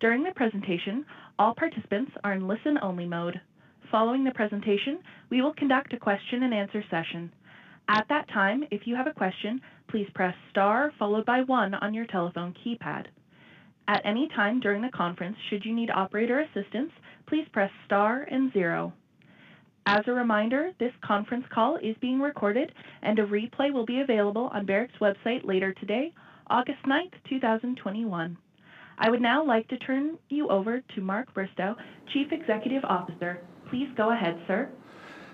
During the presentation, all participants are in listen-only mode. Following the presentation, we will conduct a question and answer session. At that time, if you have a question, please press star followed by one on your telephone keypad. At any time during the conference, should you need operator assistance, please press star and zero. As a reminder, this conference call is being recorded and a replay will be available on Barrick's website later today, August 9th, 2021. I would now like to turn you over to Mark Bristow, Chief Executive Officer. Please go ahead, sir.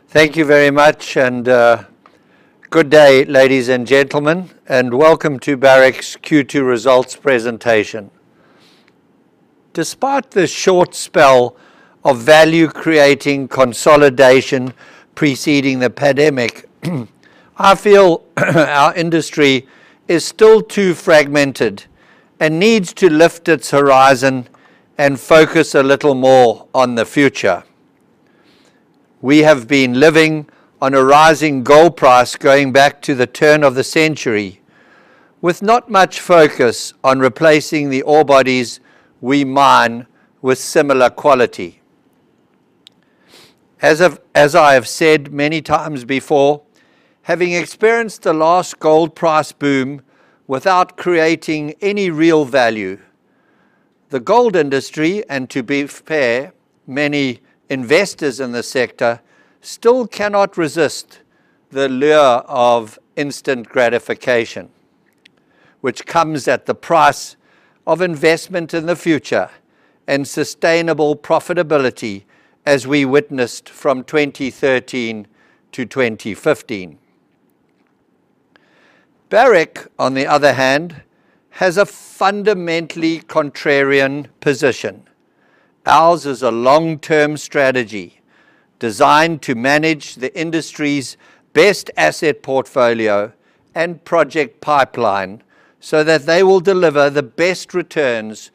Thank you very much. Good day, ladies and gentlemen, and welcome to Barrick's Q2 results presentation. Despite the short spell of value-creating consolidation preceding the pandemic, I feel our industry is still too fragmented and needs to lift its horizon and focus a little more on the future. We have been living on a rising gold price going back to the turn of the century, with not much focus on replacing the ore bodies we mine with similar quality. As I have said many times before, having experienced the last gold price boom without creating any real value, the gold industry, and to be fair, many investors in the sector, still cannot resist the lure of instant gratification, which comes at the price of investment in the future and sustainable profitability, as we witnessed from 2013 to 2015. Barrick, on the other hand, has a fundamentally contrarian position. Ours is a long-term strategy designed to manage the industry's best asset portfolio and project pipeline so that they will deliver the best returns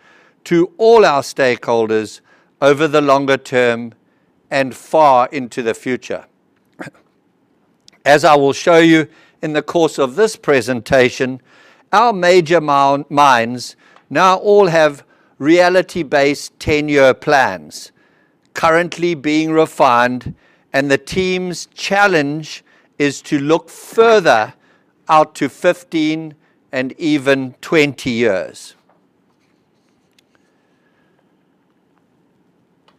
to all our stakeholders over the longer term and far into the future. As I will show you in the course of this presentation, our major mines now all have reality-based 10-year plans currently being refined, and the team's challenge is to look further out to 15 and even 20 years.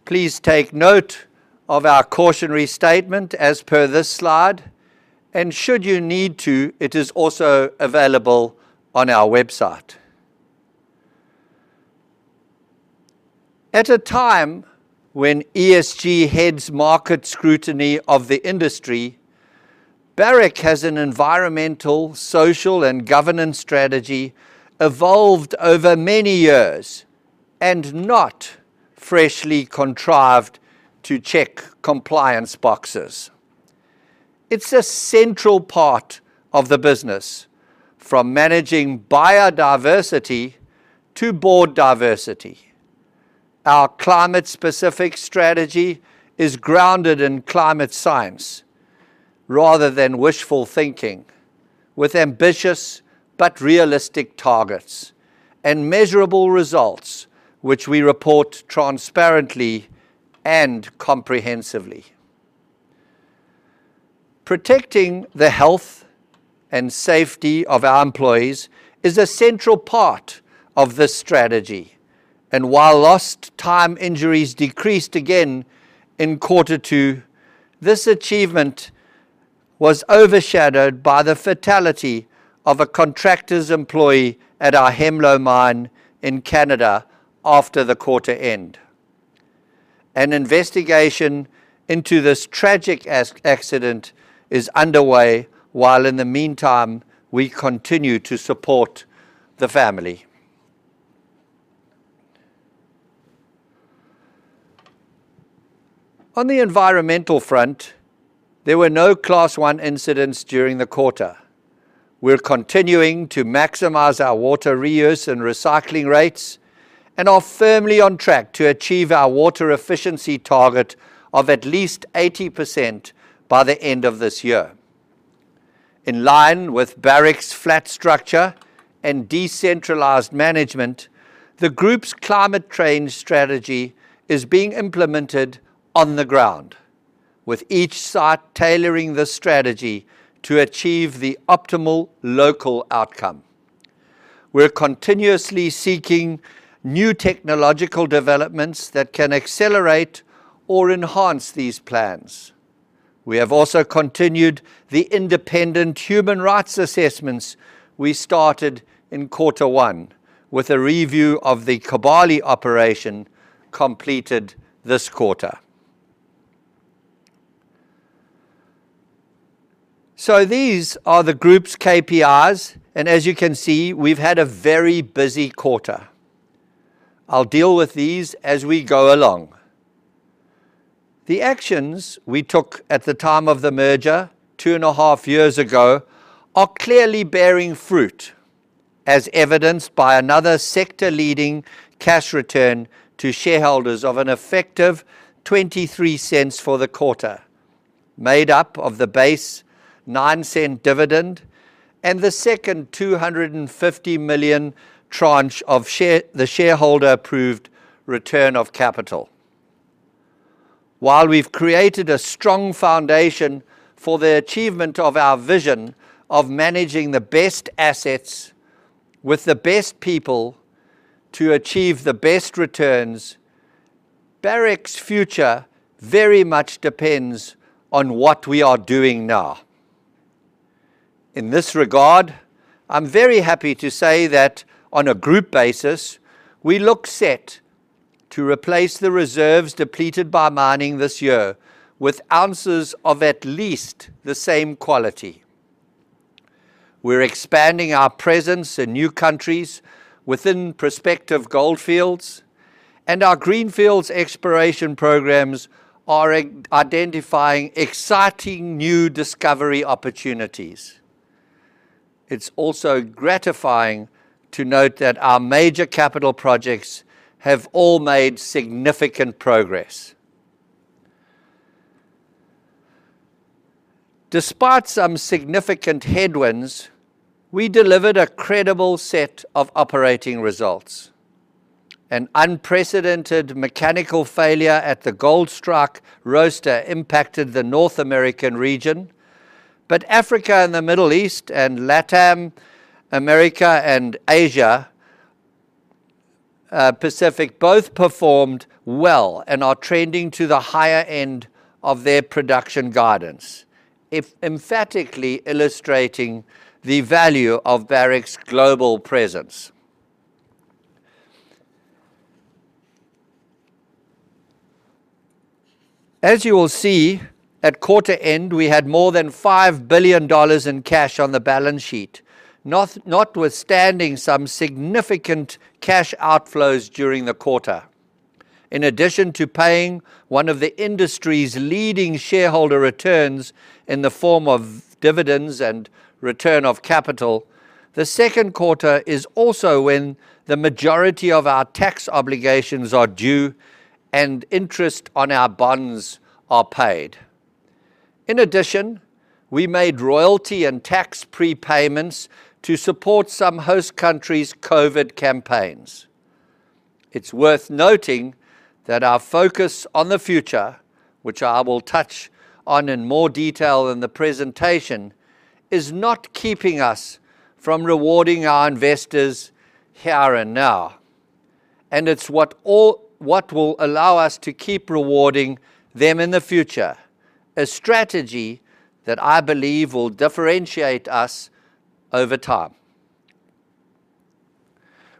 Please take note of our cautionary statement as per this slide, and should you need to, it is also available on our website. At a time when ESG heads market scrutiny of the industry, Barrick has an environmental, social, and governance strategy evolved over many years and not freshly contrived to check compliance boxes. It's a central part of the business, from managing biodiversity to board diversity. Our climate-specific strategy is grounded in climate science rather than wishful thinking, with ambitious but realistic targets and measurable results, which we report transparently and comprehensively. Protecting the health and safety of our employees is a central part of this strategy. While lost time injuries decreased again in quarter two, this achievement was overshadowed by the fatality of a contractor's employee at our Hemlo mine in Canada after the quarter end. An investigation into this tragic accident is underway while in the meantime, we continue to support the family. On the environmental front, there were no Class one incidents during the quarter. We're continuing to maximize our water reuse and recycling rates and are firmly on track to achieve our water efficiency target of at least 80% by the end of this year. In line with Barrick's flat structure and decentralized management, the group's climate change strategy is being implemented on the ground, with each site tailoring the strategy to achieve the optimal local outcome. We're continuously seeking new technological developments that can accelerate or enhance these plans. We have also continued the independent human rights assessments we started in Q1, with a review of the Kibali operation completed this quarter. These are the group's KPIs, and as you can see, we've had a very busy quarter. I'll deal with these as we go along. The actions we took at the time of the merger 2.5 years ago are clearly bearing fruit, as evidenced by another sector-leading cash return to shareholders of an effective $0.23 for the quarter, made up of the base $0.09 dividend and the second $250 million tranche of the shareholder-approved return of capital. We've created a strong foundation for the achievement of our vision of managing the best assets with the best people to achieve the best returns, Barrick's future very much depends on what we are doing now. In this regard, I'm very happy to say that on a group basis, we look set to replace the reserves depleted by mining this year with ounces of at least the same quality. We're expanding our presence in new countries within prospective goldfields, and our greenfields exploration programs are identifying exciting new discovery opportunities. It's also gratifying to note that our major capital projects have all made significant progress. Despite some significant headwinds, we delivered a credible set of operating results. An unprecedented mechanical failure at the Goldstrike roaster impacted the North American region, but Africa and the Middle East and LATAM, America, and Asia Pacific both performed well and are trending to the higher end of their production guidance, emphatically illustrating the value of Barrick's global presence. As you will see, at quarter end, we had more than $5 billion in cash on the balance sheet, notwithstanding some significant cash outflows during the quarter. In addition to paying one of the industry's leading shareholder returns in the form of dividends and return of capital, the second quarter is also when the majority of our tax obligations are due and interest on our bonds are paid. In addition, we made royalty and tax prepayments to support some host countries' COVID campaigns. It's worth noting that our focus on the future, which I will touch on in more detail in the presentation, is not keeping us from rewarding our investors here and now, and it's what will allow us to keep rewarding them in the future, a strategy that I believe will differentiate us over time.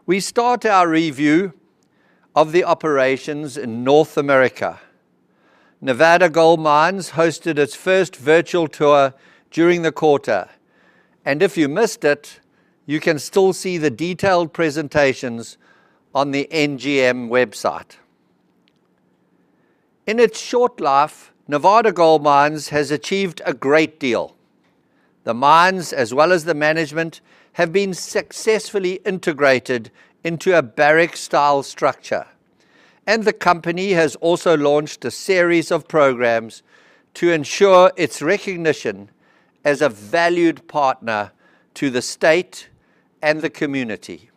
We start our review of the operations in North America. Nevada Gold Mines hosted its first virtual tour during the quarter, and if you missed it, you can still see the detailed presentations on the NGM website. In its short life, Nevada Gold Mines has achieved a great deal. The mines, as well as the management, have been successfully integrated into a Barrick-style structure, and the company has also launched a series of programs to ensure its recognition as a valued partner to the state and the community.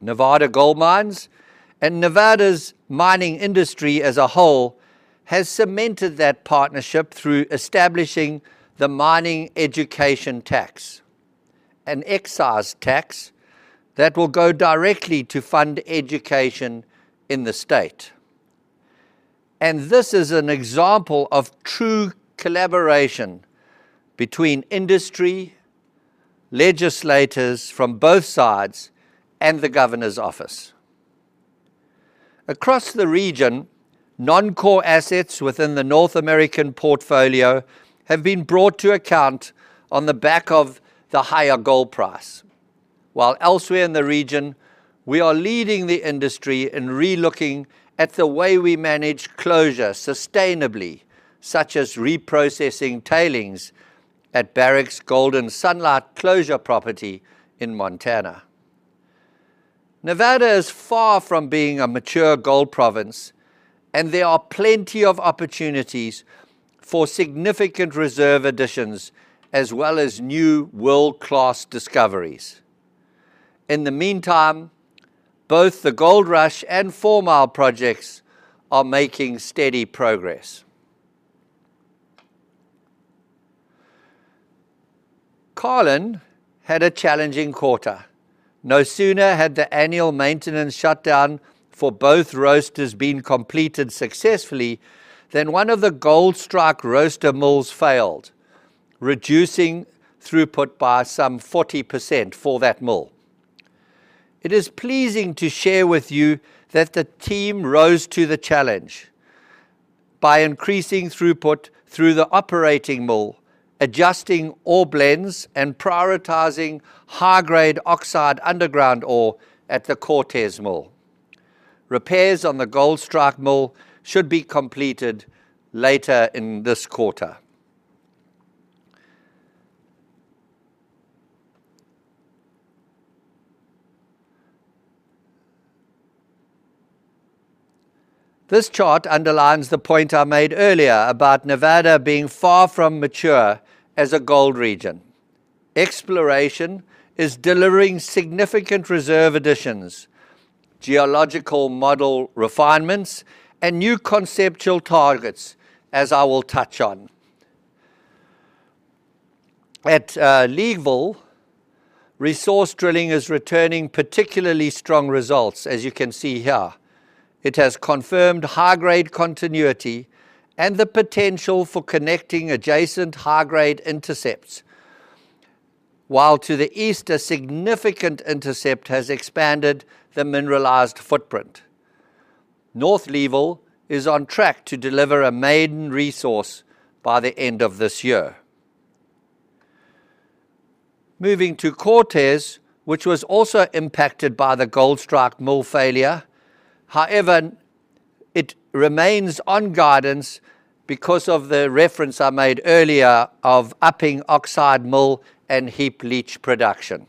Nevada Gold Mines and Nevada's mining industry as a whole has cemented that partnership through establishing the Mining Education Tax, an excise tax that will go directly to fund education in the state. This is an example of true collaboration between industry, legislators from both sides, and the governor's office. Across the region, non-core assets within the North American portfolio have been brought to account on the back of the higher gold price. While elsewhere in the region, we are leading the industry in relooking at the way we manage closure sustainably, such as reprocessing tailings at Barrick's Golden Sunlight closure property in Montana. Nevada is far from being a mature gold province, and there are plenty of opportunities for significant reserve additions, as well as new world-class discoveries. In the meantime, both the Goldrush and Fourmile projects are making steady progress. Carlin had a challenging quarter. No sooner had the annual maintenance shutdown for both roasters been completed successfully than one of the Goldstrike roaster mills failed, reducing throughput by some 40% for that mill. It is pleasing to share with you that the team rose to the challenge by increasing throughput through the operating mill, adjusting ore blends, and prioritizing high-grade oxide underground ore at the Cortez Mill. Repairs on the Goldstrike mill should be completed later in this quarter. This chart underlines the point I made earlier about Nevada being far from mature as a gold region. Exploration is delivering significant reserve additions, geological model refinements, and new conceptual targets, as I will touch on. At Leeville, resource drilling is returning particularly strong results, as you can see here. It has confirmed high-grade continuity and the potential for connecting adjacent high-grade intercepts, while to the east, a significant intercept has expanded the mineralized footprint. North Leeville is on track to deliver a maiden resource by the end of this year. Cortez, which was also impacted by the Goldstrike mill failure. It remains on guidance because of the reference I made earlier of upping oxide mill and heap leach production.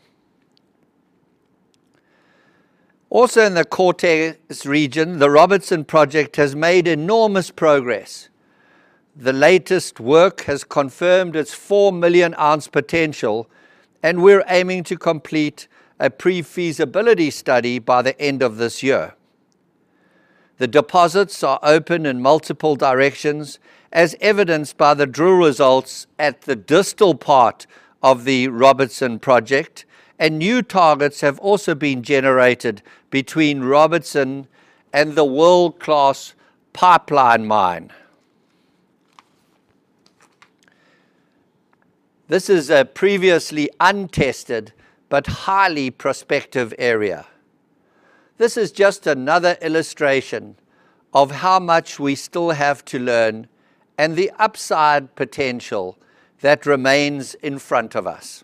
In the Cortez region, the Robertson project has made enormous progress. The latest work has confirmed its four million ounce potential, and we're aiming to complete a pre-feasibility study by the end of this year. The deposits are open in multiple directions, as evidenced by the drill results at the distal part of the Robertson project, and new targets have also been generated between Robertson and the world-class Pipeline mine. This is a previously untested but highly prospective area. This is just another illustration of how much we still have to learn and the upside potential that remains in front of us.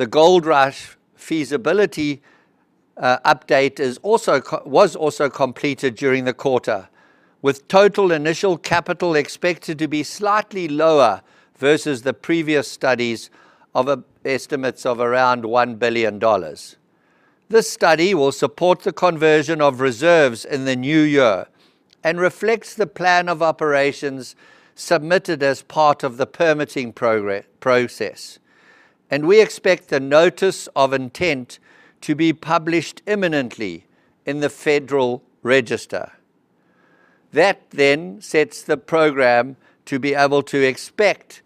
The Goldrush feasibility update was also completed during the quarter, with total initial capital expected to be slightly lower versus the previous study's estimates of around $1 billion. This study will support the conversion of reserves in the new year and reflects the plan of operations submitted as part of the permitting process. We expect the notice of intent to be published imminently in the Federal Register. That sets the program to be able to expect,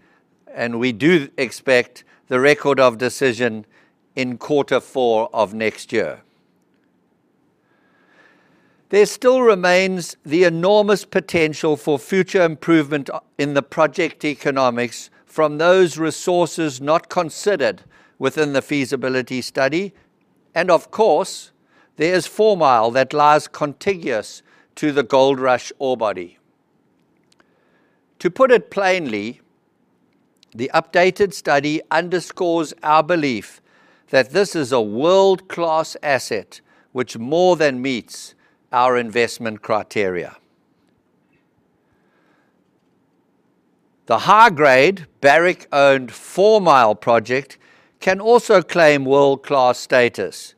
and we do expect, the record of decision in Q4 of next year. There still remains the enormous potential for future improvement in the project economics from those resources not considered within the feasibility study. Of course, there is Fourmile that lies contiguous to the Goldrush ore body. To put it plainly, the updated study underscores our belief that this is a world-class asset which more than meets our investment criteria. The high-grade Barrick-owned Fourmile project can also claim world-class status.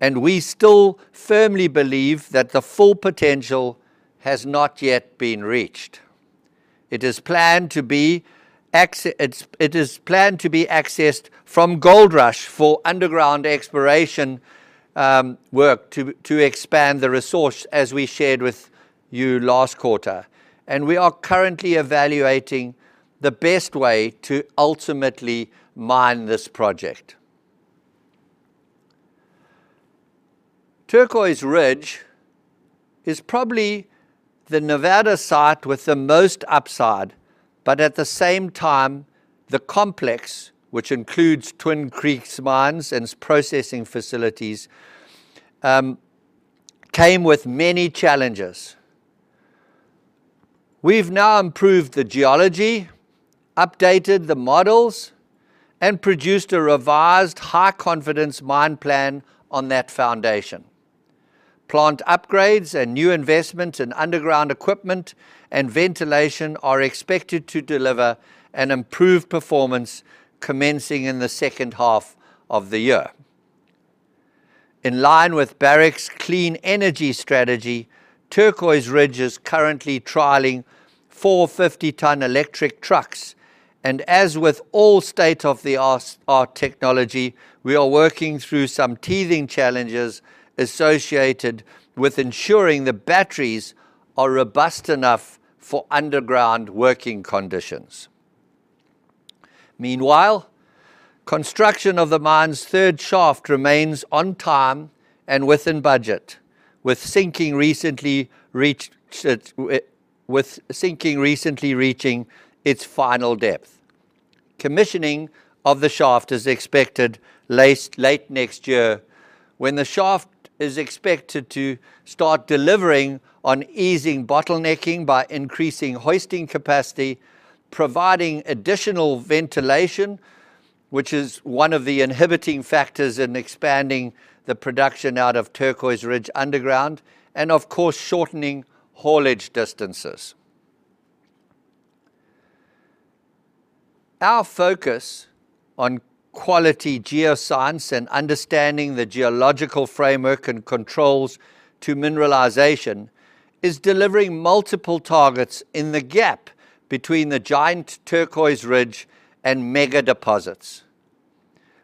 We still firmly believe that the full potential has not yet been reached. It is planned to be accessed from Goldrush for underground exploration work to expand the resource, as we shared with you last quarter. We are currently evaluating the best way to ultimately mine this project. Turquoise Ridge is probably the Nevada site with the most upside. At the same time, the complex, which includes Twin Creeks mines and processing facilities, came with many challenges. We've now improved the geology, updated the models, and produced a revised high-confidence mine plan on that foundation. Plant upgrades and new investments in underground equipment and ventilation are expected to deliver an improved performance commencing in the second half of the year. In line with Barrick's clean energy strategy, Turquoise Ridge is currently trialing four 50-ton electric trucks, and as with all state-of-the-art technology, we are working through some teething challenges associated with ensuring the batteries are robust enough for underground working conditions. Meanwhile, construction of the mine's third shaft remains on time and within budget, with sinking recently reaching its final depth. Commissioning of the shaft is expected late next year, when the shaft is expected to start delivering on easing bottlenecking by increasing hoisting capacity, providing additional ventilation, which is one of the inhibiting factors in expanding the production out of Turquoise Ridge underground, and of course, shortening haulage distances. Our focus on quality geoscience and understanding the geological framework and controls to mineralization is delivering multiple targets in the gap between the giant Turquoise Ridge and megadeposits.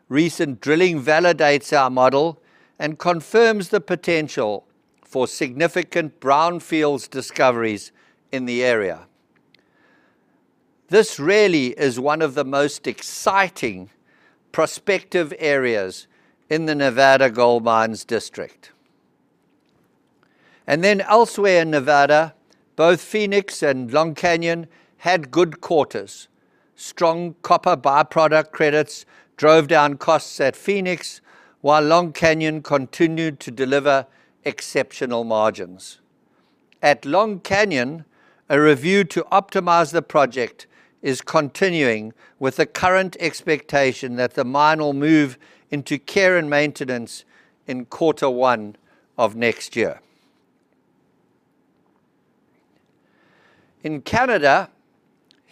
Recent drilling validates our model and confirms the potential for significant brownfields discoveries in the area. This really is one of the most exciting prospective areas in the Nevada Gold Mines district. Elsewhere in Nevada, both Phoenix and Long Canyon had good quarters. Strong copper by-product credits drove down costs at Phoenix, while Long Canyon continued to deliver exceptional margins. At Long Canyon, a review to optimize the project is continuing, with the current expectation that the mine will move into care and maintenance in Q1 of next year. In Canada,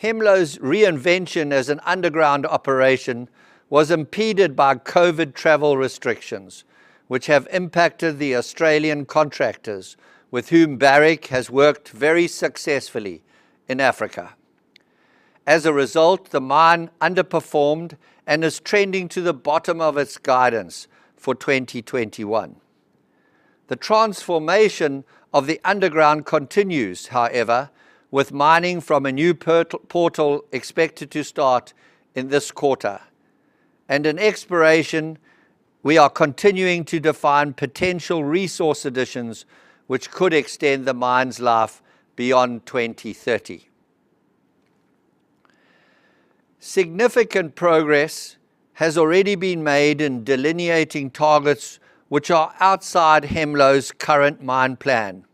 Hemlo's reinvention as an underground operation was impeded by COVID travel restrictions, which have impacted the Australian contractors, with whom Barrick has worked very successfully in Africa. The mine underperformed and is trending to the bottom of its guidance for 2021. The transformation of the underground continues, however, with mining from a new portal expected to start in this quarter. In exploration, we are continuing to define potential resource additions which could extend the mine's life beyond 2030. Significant progress has already been made in delineating targets which are outside Hemlo's current mine plan,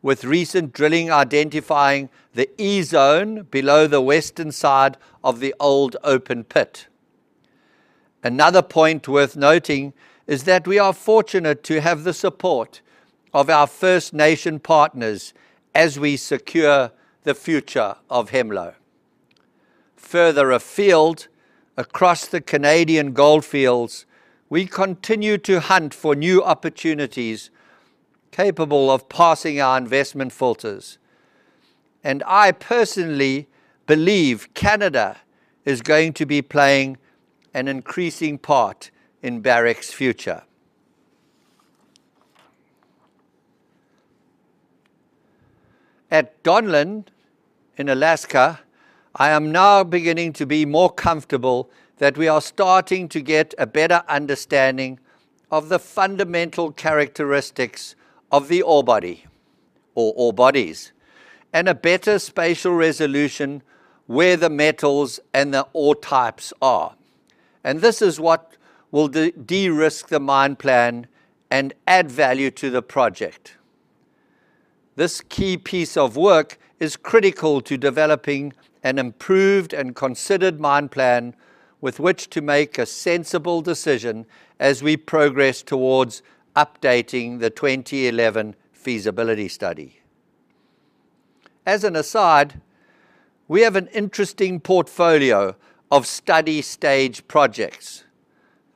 with recent drilling identifying the E Zone below the western side of the old open pit. Another point worth noting is that we are fortunate to have the support of our First Nation partners as we secure the future of Hemlo. Further afield, across the Canadian goldfields, we continue to hunt for new opportunities capable of passing our investment filters. I personally believe Canada is going to be playing an increasing part in Barrick's future. At Donlin in Alaska, I am now beginning to be more comfortable that we are starting to get a better understanding of the fundamental characteristics of the ore body, or ore bodies, and a better spatial resolution where the metals and the ore types are. This is what will de-risk the mine plan and add value to the project. This key piece of work is critical to developing an improved and considered mine plan with which to make a sensible decision as we progress towards updating the 2011 feasibility study. As an aside, we have an interesting portfolio of study stage projects.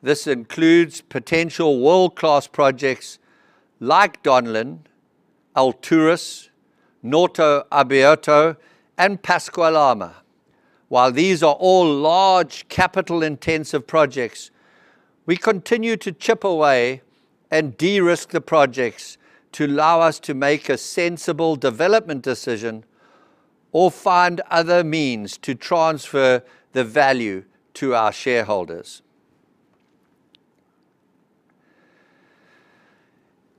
This includes potential world-class projects like Donlin, Alturas, Norte Abierto, and Pascua-Lama. While these are all large capital-intensive projects, we continue to chip away and de-risk the projects to allow us to make a sensible development decision or find other means to transfer the value to our shareholders.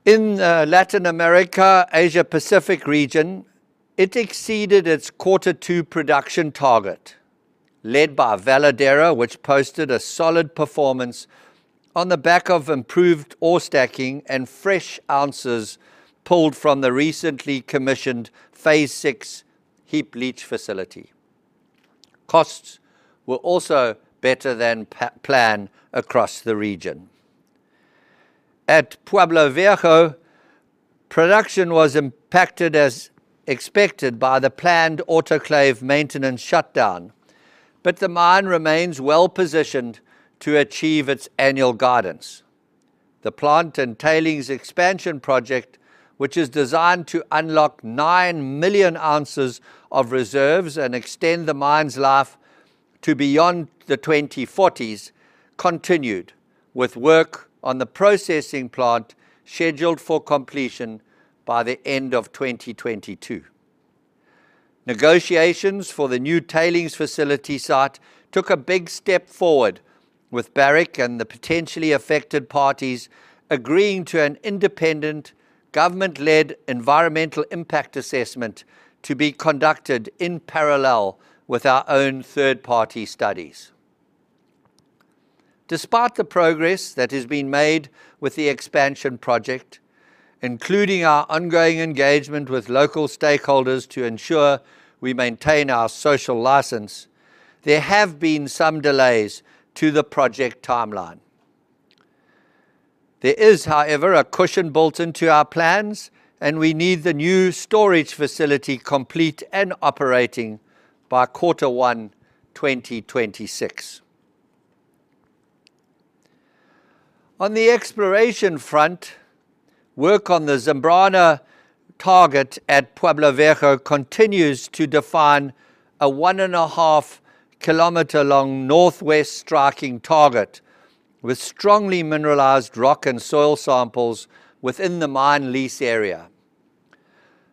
In Latin America, Asia-Pacific region, it exceeded its quarter two production target, led by Veladero, which posted a solid performance on the back of improved ore stacking and fresh ounces pulled from the recently commissioned Phase six heap leach facility. Costs were also better than planned across the region. At Pueblo Viejo, production was impacted as expected by the planned autoclave maintenance shutdown, but the mine remains well-positioned to achieve its annual guidance. The plant and tailings expansion project, which is designed to unlock nine million ounces of reserves and extend the mine's life to beyond the 2040s, continued, with work on the processing plant scheduled for completion by the end of 2022. Negotiations for the new tailings facility site took a big step forward with Barrick and the potentially affected parties agreeing to an independent government-led environmental impact assessment to be conducted in parallel with our own third-party studies. Despite the progress that has been made with the expansion project, including our ongoing engagement with local stakeholders to ensure we maintain our social license, there have been some delays to the project timeline. There is, however, a cushion built into our plans, and we need the new storage facility complete and operating by Q1 2026. On the exploration front, work on the Zambrana target at Pueblo Viejo continues to define a 1.5 km long northwest striking target with strongly mineralized rock and soil samples within the mine lease area.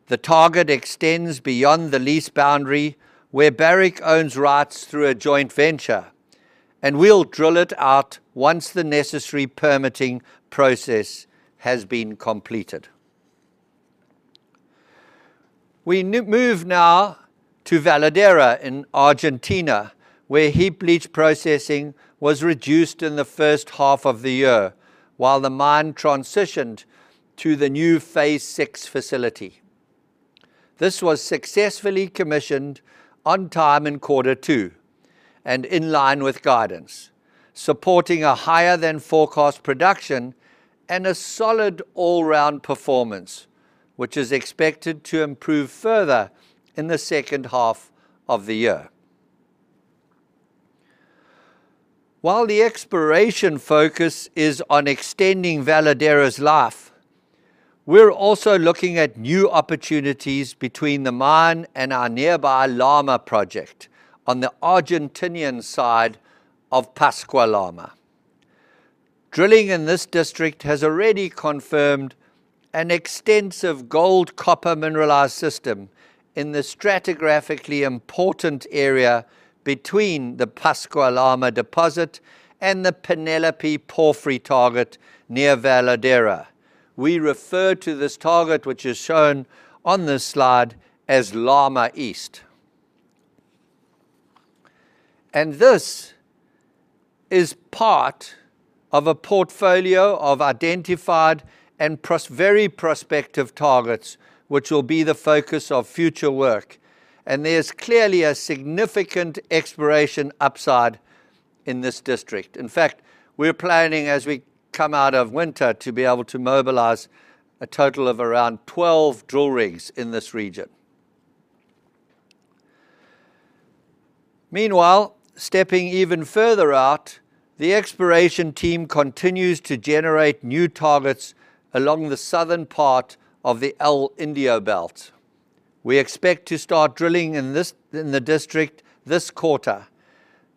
The target extends beyond the lease boundary, where Barrick owns rights through a joint venture, and we'll drill it out once the necessary permitting process has been completed. We move now to Veladero in Argentina, where heap leach processing was reduced in the first half of the year, while the mine transitioned to the new phase six facility. This was successfully commissioned on time in Q2 and in line with guidance, supporting a higher than forecast production and a solid all-round performance, which is expected to improve further in the second half of the year. While the exploration focus is on extending Veladero's life, we're also looking at new opportunities between the mine and our nearby Lama project on the Argentinian side of Pascua-Lama. Drilling in this district has already confirmed an extensive gold-copper mineralized system in the stratigraphically important area between the Pascua-Lama deposit and the Penelope porphyry target near Veladero. We refer to this target, which is shown on this slide, as Lama East. This is part of a portfolio of identified and very prospective targets, which will be the focus of future work. There's clearly a significant exploration upside in this district. In fact, we're planning, as we come out of winter, to be able to mobilize a total of around 12 drill rigs in this region. Meanwhile, stepping even further out, the exploration team continues to generate new targets along the southern part of the El Indio Belt. We expect to start drilling in the district this quarter,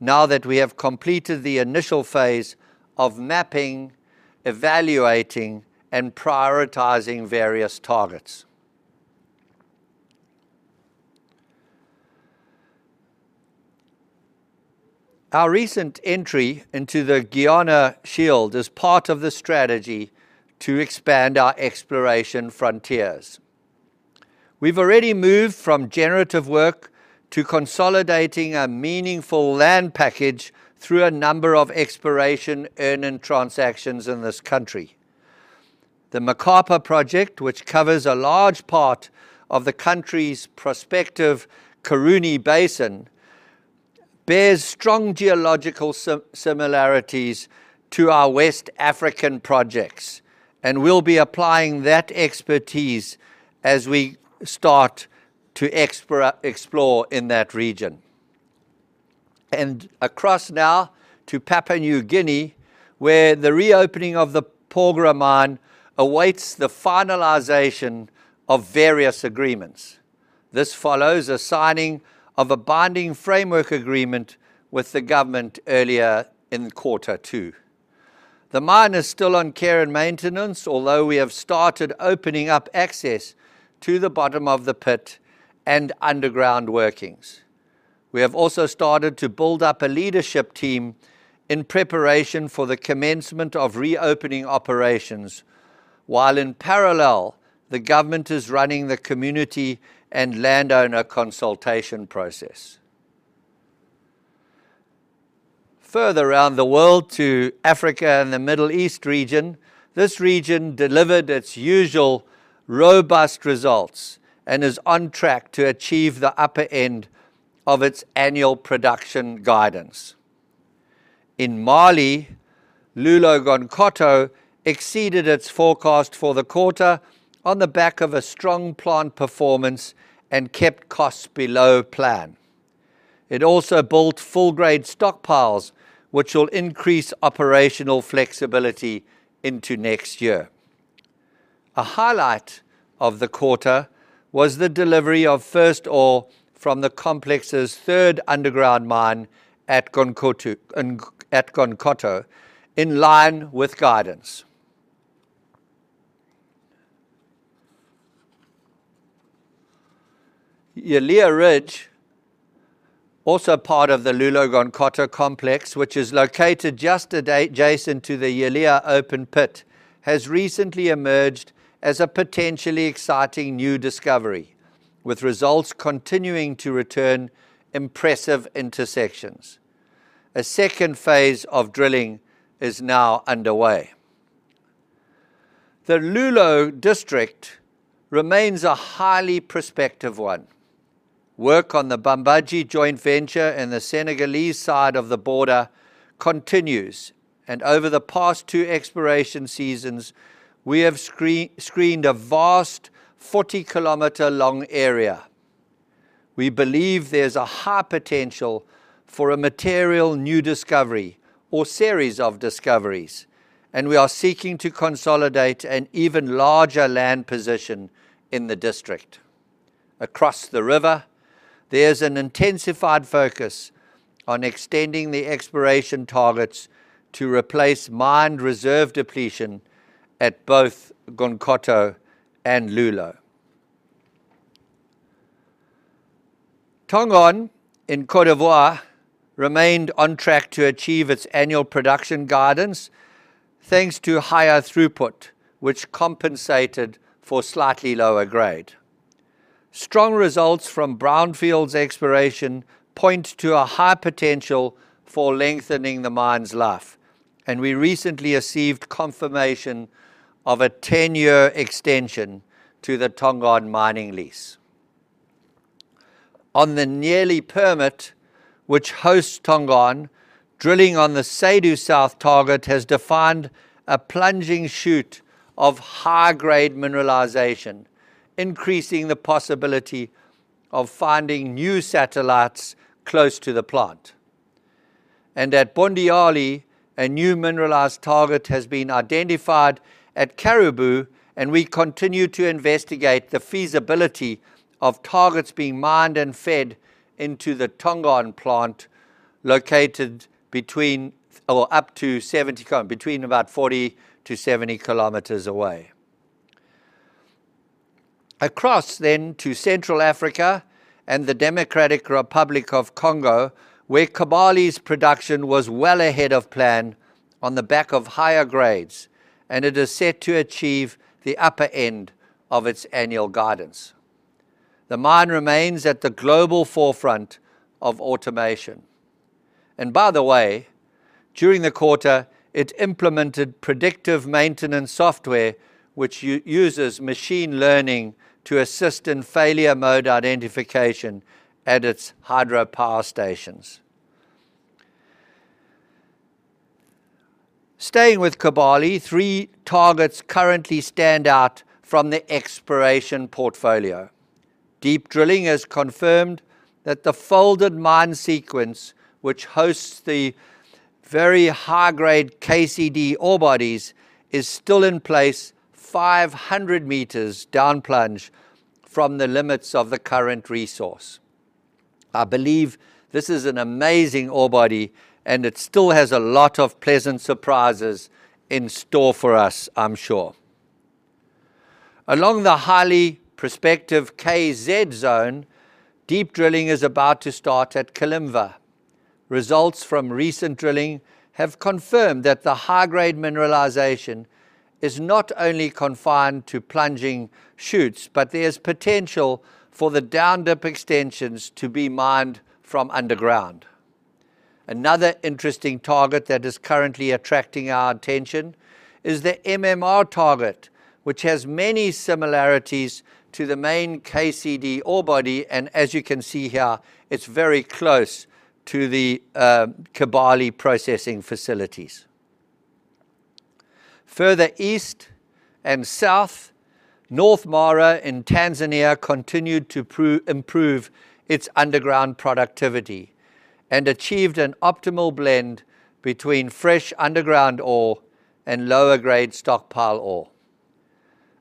now that we have completed the initial phase of mapping, evaluating, and prioritizing various targets. Our recent entry into the Guiana Shield is part of the strategy to expand our exploration frontiers. We've already moved from generative work to consolidating a meaningful land package through a number of exploration earn-in transactions in this country. The Makapa Project, which covers a large part of the country's prospective Kuruni Basin, bears strong geological similarities to our West African projects, and we'll be applying that expertise as we start to explore in that region. Across now to Papua New Guinea, where the reopening of the Porgera mine awaits the finalization of various agreements. This follows a signing of a binding framework agreement with the government earlier in quarter 2. The mine is still on care and maintenance, although we have started opening up access to the bottom of the pit and underground workings. We have also started to build up a leadership team in preparation for the commencement of reopening operations, while in parallel, the government is running the community and landowner consultation process. Further around the world to Africa and the Middle East region, this region delivered its usual robust results and is on track to achieve the upper end of its annual production guidance. In Mali, Loulo-Gounkoto exceeded its forecast for the quarter on the back of a strong plant performance and kept costs below plan. It also built full-grade stockpiles, which will increase operational flexibility into next year. A highlight of the quarter was the delivery of first ore from the complex's third underground mine at Gounkoto, in line with guidance. Yalea Ridge, also part of the Loulo-Gounkoto complex, which is located just adjacent to the Yalea open pit, has recently emerged as a potentially exciting new discovery, with results continuing to return impressive intersections. A second phase of drilling is now underway. The Loulo district remains a highly prospective one. Work on the Boundiali joint venture and the Senegalese side of the border continues, and over the past two exploration seasons, we have screened a vast 40-kilometer-long area. We believe there's a high potential for a material new discovery or series of discoveries, and we are seeking to consolidate an even larger land position in the district. Across the river, there's an intensified focus on extending the exploration targets to replace mined reserve depletion at both Gounkoto and Loulo. Tongon in Cote d'Ivoire remained on track to achieve its annual production guidance thanks to higher throughput, which compensated for slightly lower grade. Strong results from brownfields exploration point to a high potential for lengthening the mine's life. We recently received confirmation of a 10-year extension to the Tongon mining lease. On the nearby permit which hosts Tongon, drilling on the Seydou South target has defined a plunging shoot of high-grade mineralization, increasing the possibility of finding new satellites close to the plant. At Boundiali, a new mineralized target has been identified at Karibou, and we continue to investigate the feasibility of targets being mined and fed into the Tongon plant, located between about 40 to 70 km away. Across to Central Africa and the Democratic Republic of Congo, where Kibali's production was well ahead of plan on the back of higher grades, and it is set to achieve the upper end of its annual guidance. The mine remains at the global forefront of automation. By the way, during the quarter, it implemented predictive maintenance software, which uses machine learning to assist in failure mode identification at its hydropower stations. Staying with Kibali, three targets currently stand out from the exploration portfolio. Deep drilling has confirmed that the folded mine sequence, which hosts the very high-grade KCD ore bodies, is still in place 500 meters down plunge from the limits of the current resource. I believe this is an amazing ore body, and it still has a lot of pleasant surprises in store for us, I'm sure. Along the highly prospective KZ zone, deep drilling is about to start at Kalimva. Results from recent drilling have confirmed that the high-grade mineralization is not only confined to plunging shoots, but there's potential for the down-dip extensions to be mined from underground. Another interesting target that is currently attracting our attention is the MMR target, which has many similarities to the main KCD ore body, and as you can see here, it's very close to the Kibali processing facilities. Further east and south, North Mara in Tanzania continued to improve its underground productivity and achieved an optimal blend between fresh underground ore and lower-grade stockpile ore.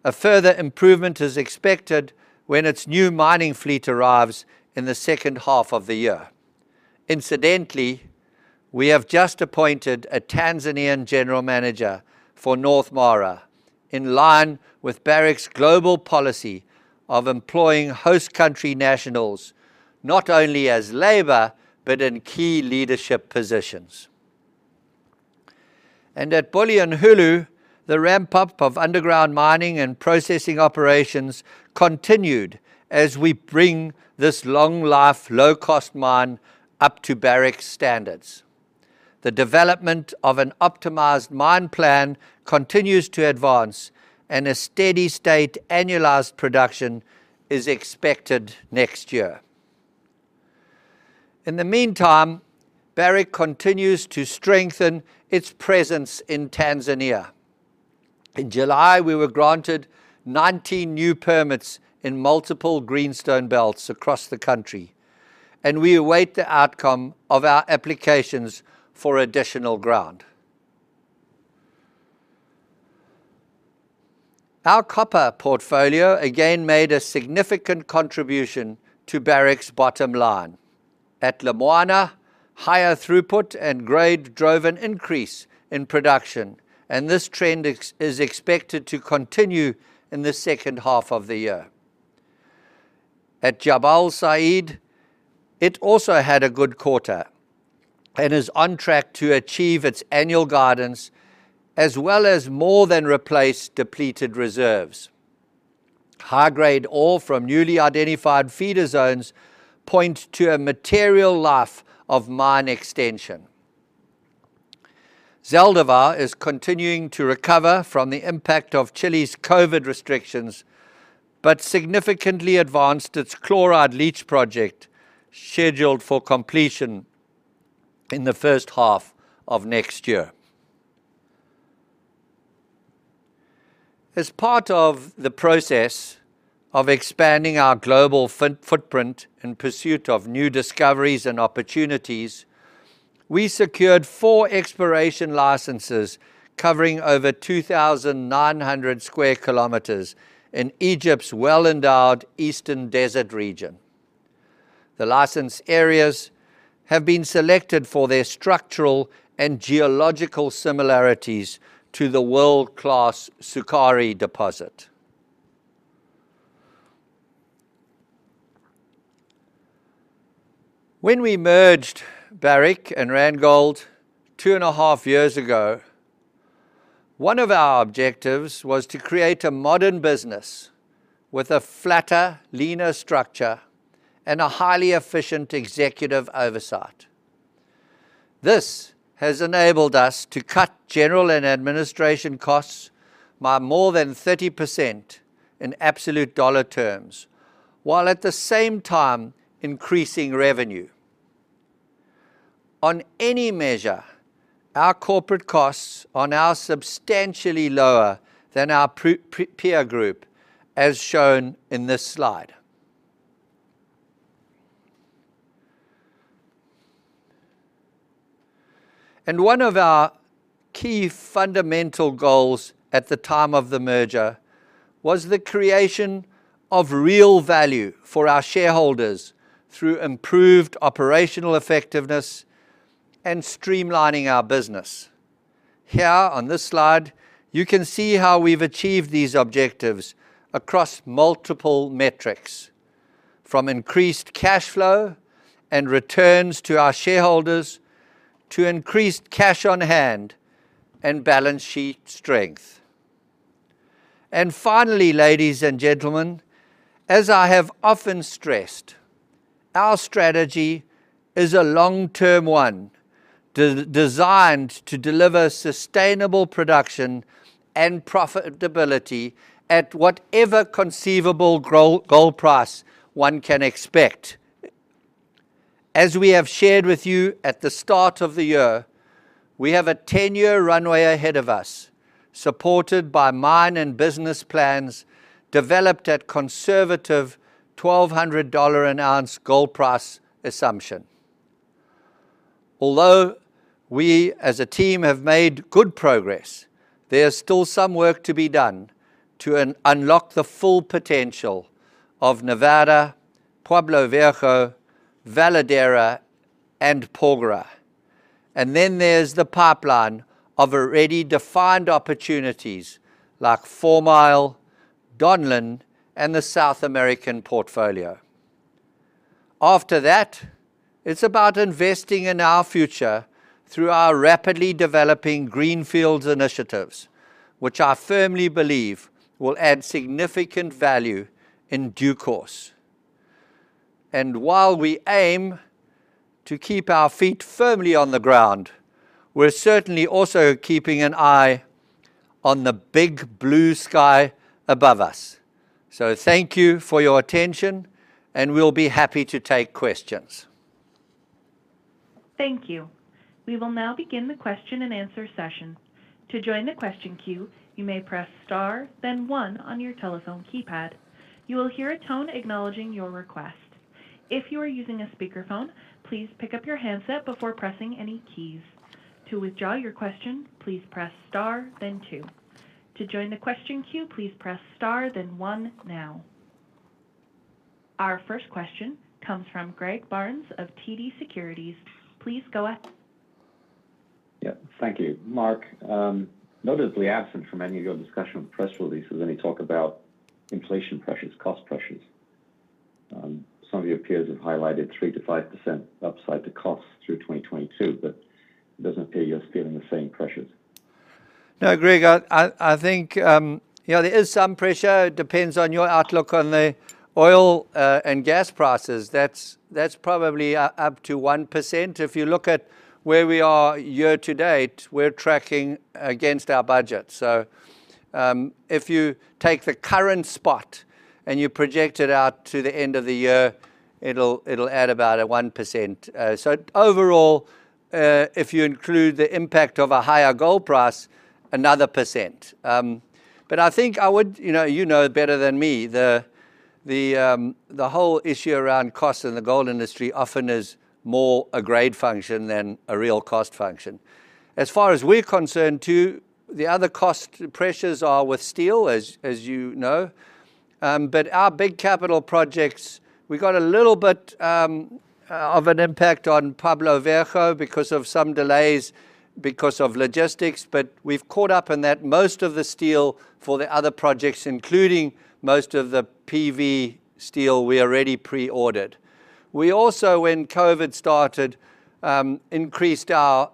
A further improvement is expected when its new mining fleet arrives in the second half of the year. Incidentally, we have just appointed a Tanzanian general manager for North Mara, in line with Barrick's global policy of employing host country nationals, not only as labor but in key leadership positions. At Bulyanhulu, the ramp-up of underground mining and processing operations continued as we bring this long-life, low-cost mine up to Barrick standards. The development of an optimized mine plan continues to advance, and a steady-state annualized production is expected next year. In the meantime, Barrick continues to strengthen its presence in Tanzania. In July, we were granted 19 new permits in multiple greenstone belts across the country, and we await the outcome of our applications for additional ground. Our copper portfolio again made a significant contribution to Barrick's bottom line. At Lumwana, higher throughput and grade drove an increase in production, and this trend is expected to continue in the second half of the year. At Jabal Sayid, it also had a good quarter and is on track to achieve its annual guidance, as well as more than replace depleted reserves. High-grade ore from newly identified feeder zones point to a material life of mine extension. Veladero is continuing to recover from the impact of Chile's COVID restrictions, significantly advanced its chloride leach project, scheduled for completion in the first half of next year. As part of the process of expanding our global footprint in pursuit of new discoveries and opportunities, we secured four exploration licenses covering over 2,900 square kilometers in Egypt's well-endowed Eastern Desert region. The license areas have been selected for their structural and geological similarities to the world-class Sukari deposit. When we merged Barrick and Randgold two and a half years ago, one of our objectives was to create a modern business with a flatter, leaner structure and a highly efficient executive oversight. This has enabled us to cut general and administration costs by more than 30% in absolute dollar terms, while at the same time increasing revenue. On any measure, our corporate costs are now substantially lower than our peer group, as shown in this slide. One of our key fundamental goals at the time of the merger was the creation of real value for our shareholders through improved operational effectiveness and streamlining our business. Here on this slide, you can see how we've achieved these objectives across multiple metrics, from increased cash flow and returns to our shareholders to increased cash on hand and balance sheet strength. Finally, ladies and gentlemen, as I have often stressed, our strategy is a long-term one, designed to deliver sustainable production and profitability at whatever conceivable gold price one can expect. As we have shared with you at the start of the year, we have a 10-year runway ahead of us, supported by mine and business plans developed at conservative $1,200 an ounce gold price assumption. Although we as a team have made good progress, there is still some work to be done to unlock the full potential of Nevada, Pueblo Viejo, Veladero, and Porgera. Then there's the pipeline of already defined opportunities like Fourmile, Donlin, and the South American portfolio. After that, it's about investing in our future through our rapidly developing greenfields initiatives, which I firmly believe will add significant value in due course. While we aim to keep our feet firmly on the ground, we're certainly also keeping an eye on the big blue sky above us. Thank you for your attention, and we'll be happy to take questions. Our first question comes from Greg Barnes of TD Securities. Please go. Yeah. Thank you. Mark, noticeably absent from any of your discussion of press releases, any talk about inflation pressures, cost pressures? Some of your peers have highlighted 3%-5% upside to costs through 2022, but it doesn't appear you're feeling the same pressures. No, Greg, I think there is some pressure. It depends on your outlook on the oil and gas prices. That's probably up to 1%. If you look at where we are year to date, we're tracking against our budget. If you take the current spot and you project it out to the end of the year, it'll add about a 1%. Overall, if you include the impact of a higher gold price, another %. I think you know better than me, the whole issue around cost in the gold industry often is more a grade function than a real cost function. As far as we're concerned, too, the other cost pressures are with steel, as you know. Our big capital projects, we got a little bit of an impact on Pueblo Viejo because of some delays because of logistics, but we've caught up in that most of the steel for the other projects, including most of the PV steel we already pre-ordered. We also, when COVID started, increased our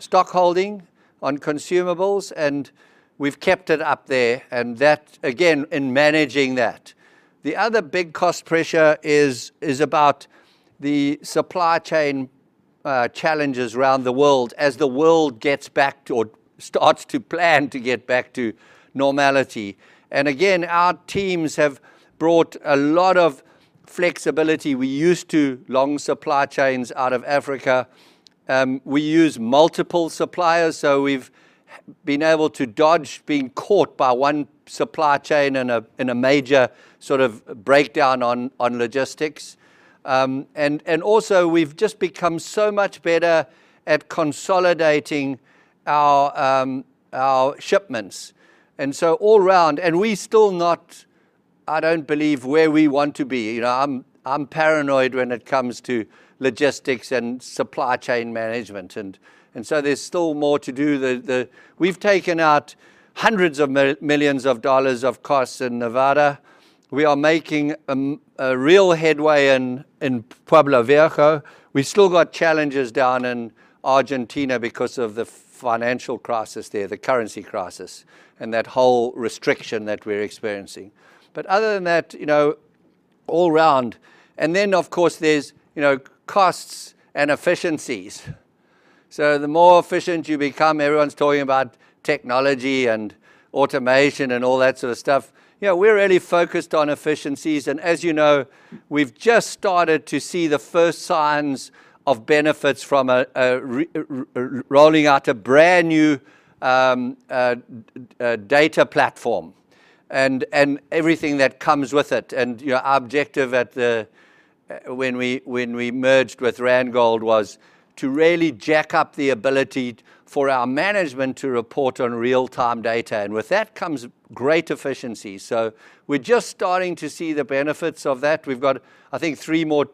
stockholding on consumables, and we've kept it up there and that, again, in managing that. The other big cost pressure is about the supply chain challenges around the world as the world gets back, or starts to plan to get back to normality. Again, our teams have brought a lot of flexibility. We used to long supply chains out of Africa. We use multiple suppliers, so we've been able to dodge being caught by one supply chain in a major sort of breakdown on logistics. Also, we've just become so much better at consolidating our shipments. All round, and we're still not, I don't believe, where we want to be. I'm paranoid when it comes to logistics and supply chain management, and so there's still more to do. We've taken out $ hundreds of millions of costs in Nevada. We are making a real headway in Pueblo Viejo. We've still got challenges down in Argentina because of the financial crisis there, the currency crisis, and that whole restriction that we're experiencing. Other than that, all round, of course, there's costs and efficiencies. The more efficient you become, everyone's talking about technology and automation and all that sort of stuff. As you know, we've just started to see the first signs of benefits from rolling out a brand-new data platform and everything that comes with it. Our objective when we merged with Randgold was to really jack up the ability for our management to report on real-time data. With that comes great efficiency. We're just starting to see the benefits of that. We've got, I think, three more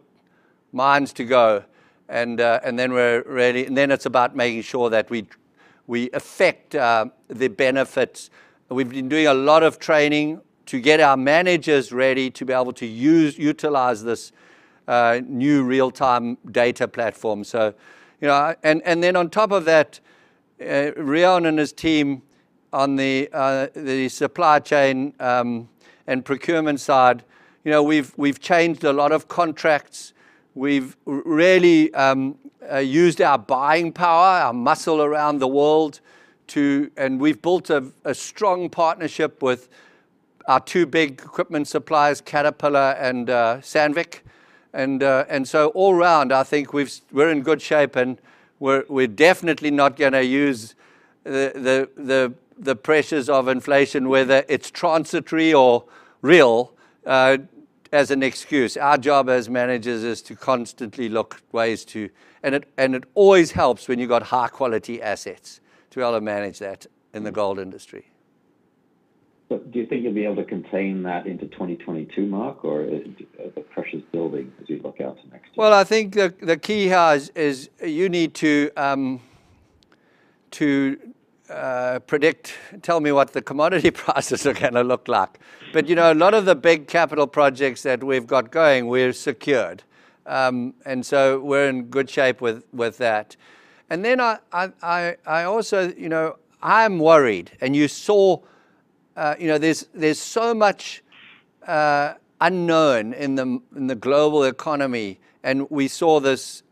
mines to go, and then it's about making sure that we effect the benefits. We've been doing a lot of training to get our managers ready to be able to utilize this new real-time data platform. On top of that, Riaan and his team on the supply chain and procurement side, we've changed a lot of contracts. We've really used our buying power, our muscle around the world. We've built a strong partnership with our 2 big equipment suppliers, Caterpillar and Sandvik. All round, I think we're in good shape, and we're definitely not going to use the pressures of inflation, whether it's transitory or real, as an excuse. Our job as managers is to constantly look at ways. It always helps when you've got high-quality assets to be able to manage that in the gold industry. Do you think you'll be able to contain that into 2022, Mark, or are the pressures building as you look out to next year? I think the key, Haas, is you need to predict, tell me what the commodity prices are going to look like. A lot of the big capital projects that we've got going, we've secured. We're in good shape with that. Then I'm worried, and you saw there's so much unknown in the global economy, and we saw this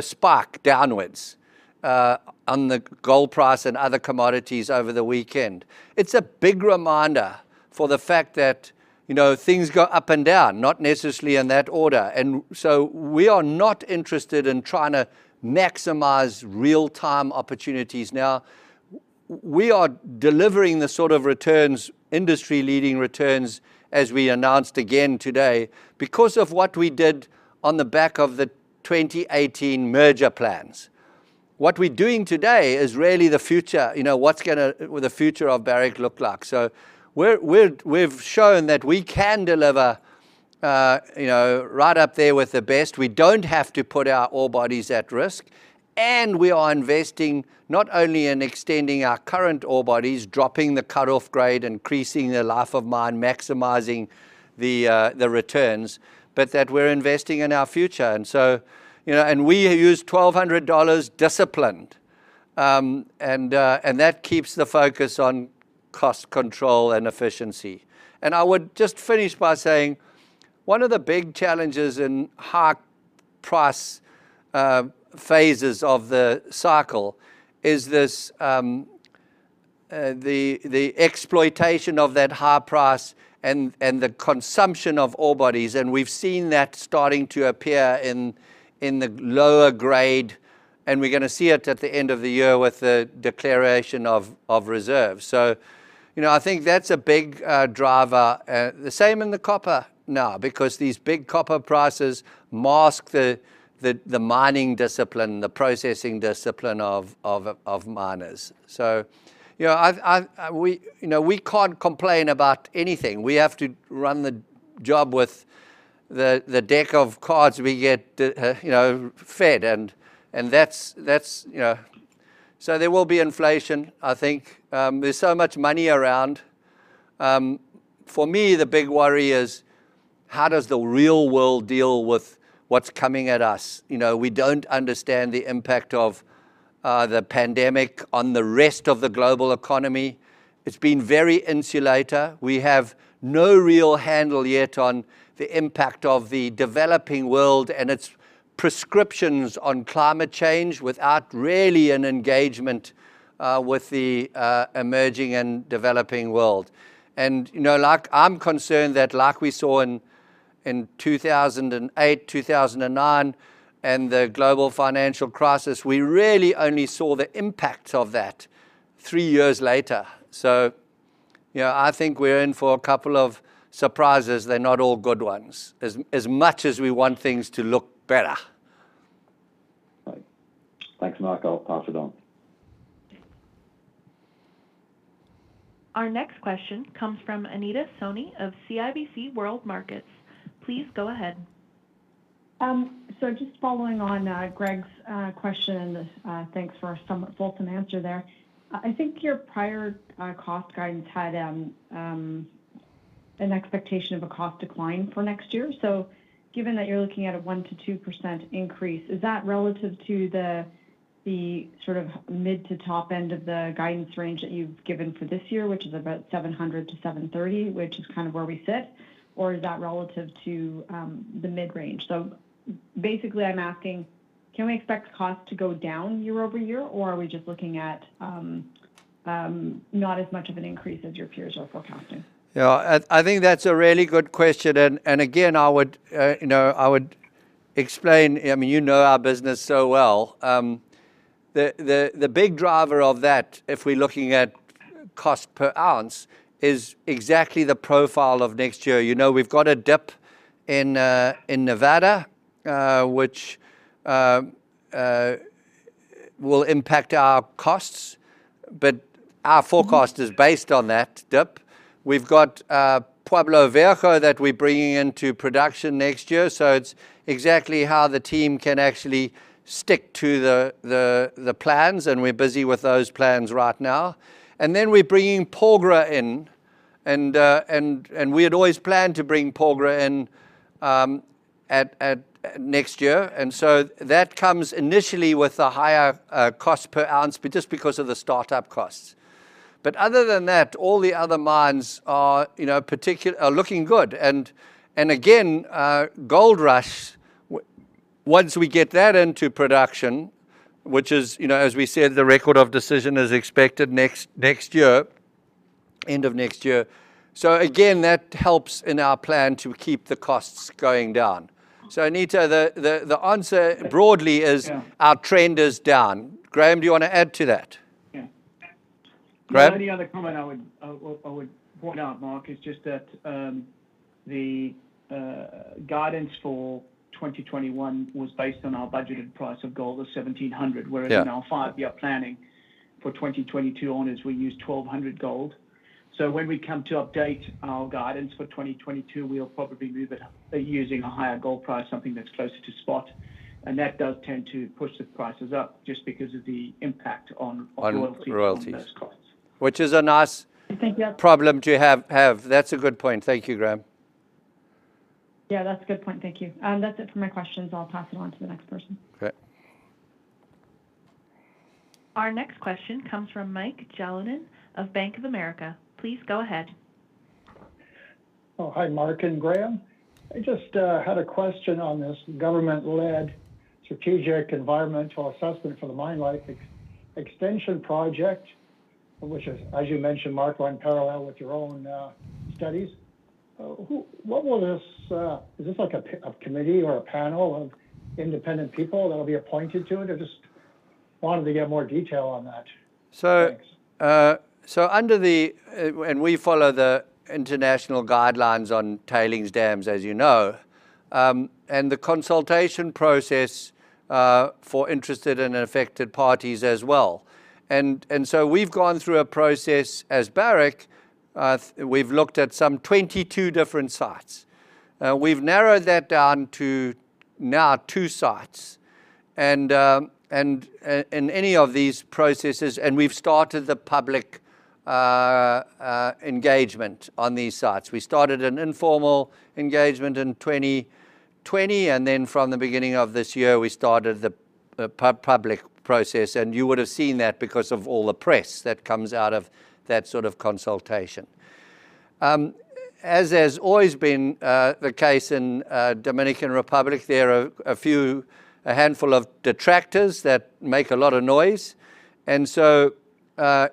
spike downwards on the gold price and other commodities over the weekend. It's a big reminder for the fact that things go up and down, not necessarily in that order. We are not interested in trying to maximize real-time opportunities now. We are delivering the sort of returns, industry-leading returns, as we announced again today because of what we did on the back of the 2018 merger plans. What we're doing today is really the future. What's the future of Barrick look like. We've shown that we can deliver right up there with the best. We don't have to put our ore bodies at risk. We are investing not only in extending our current ore bodies, dropping the cut-off grade, increasing the life of mine, maximizing the returns, but that we're investing in our future. We use $1,200 disciplined, and that keeps the focus on cost control and efficiency. I would just finish by saying one of the big challenges in high price phases of the cycle is the exploitation of that high price and the consumption of ore bodies, and we've seen that starting to appear in the lower grade, and we're going to see it at the end of the year with the declaration of reserves. I think that's a big driver. The same in the copper now because these big copper prices mask the mining discipline, the processing discipline of miners. We can't complain about anything. We have to run the job with the deck of cards we get fed. There will be inflation, I think. There's so much money around. For me, the big worry is, how does the real world deal with what's coming at us? We don't understand the impact of the pandemic on the rest of the global economy. It's been very insulated. We have no real handle yet on the impact of the developing world and its prescriptions on climate change without really an engagement with the emerging and developing world. I'm concerned that like we saw in 2008-2009 and the Global Financial Crisis, we really only saw the impact of that three years later. I think we're in for a couple of surprises. They're not all good ones, as much as we want things to look better. Right. Thanks, Mark. I'll pass it on. Our next question comes from Anita Soni of CIBC World Markets. Please go ahead. Just following on Greg's question, and thanks for a somewhat fulsome answer there. I think your prior cost guidance had an expectation of a cost decline for next year. Given that you're looking at a 1%-2% increase, is that relative to the sort of mid to top end of the guidance range that you've given for this year, which is about $700-$730, which is kind of where we sit, or is that relative to the mid-range? Basically I'm asking, can we expect costs to go down year-over-year, or are we just looking at not as much of an increase as your peers are forecasting? Yeah. I think that's a really good question and, again, I would explain, you know, our business so well. The big driver of that, if we're looking at cost per ounce, is exactly the profile of next year. We've got a dip in Nevada, which will impact our costs, but our forecast is based on that dip. We've got Pueblo Viejo that we're bringing into production next year, so it's exactly how the team can actually stick to the plans, and we're busy with those plans right now. Then we're bringing Porgera in, and we had always planned to bring Porgera in next year. So that comes initially with a higher cost per ounce, but just because of the startup costs. Other than that, all the other mines are looking good. Again, Goldrush, once we get that into production, which is, as we said, the record of decision is expected end of next year. Again, that helps in our plan to keep the costs going down. Anita, the answer broadly is- Yeah our trend is down. Graham, do you want to add to that? Yeah. Graham? The only other comment I would point out, Mark, is just that the guidance for 2021 was based on our budgeted price of gold of $1,700. Yeah whereas in our five-year planning for 2022 onwards, we used $1,200 gold. When we come to update our guidance for 2022, we'll probably be using a higher gold price, something that's closer to spot, that does tend to push the prices up. On royalties. royalties on those costs. Which is a nice- I think, yeah. problem to have. That's a good point. Thank you, Graham. Yeah, that's a good point, thank you. That's it for my questions. I'll pass it on to the next person. Great. Our next question comes from Michael Jalonen of Bank of America. Please go ahead. Oh, hi, Mark and Graham. I just had a question on this government-led strategic environmental assessment for the mine life extension project, which as you mentioned, Mark, run parallel with your own studies. Is this like a committee or a panel of independent people that'll be appointed to it? I just wanted to get more detail on that. Thanks. We follow the international guidelines on tailings dams, as you know, and the consultation process for interested and affected parties as well. We've gone through a process as Barrick. We've looked at some 22 different sites. We've narrowed that down to now two sites. In any of these processes, and we've started the public engagement on these sites. We started an informal engagement in 2020, and then from the beginning of this year, we started the public process, and you would've seen that because of all the press that comes out of that sort of consultation. As has always been the case in Dominican Republic, there are a handful of detractors that make a lot of noise. Pueblo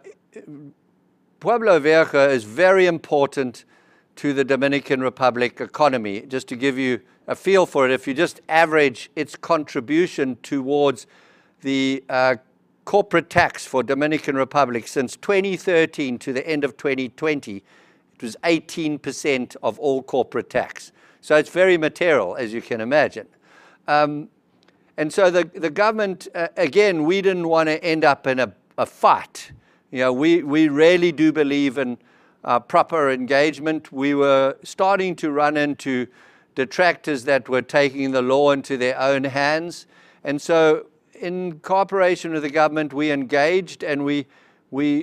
Viejo is very important to the Dominican Republic economy. Just to give you a feel for it, if you just average its contribution towards the corporate tax for Dominican Republic since 2013 to the end of 2020, it was 18% of all corporate tax. It's very material, as you can imagine. The government, again, we didn't want to end up in a fight. We really do believe in proper engagement. We were starting to run into detractors that were taking the law into their own hands. In cooperation with the government, we engaged and we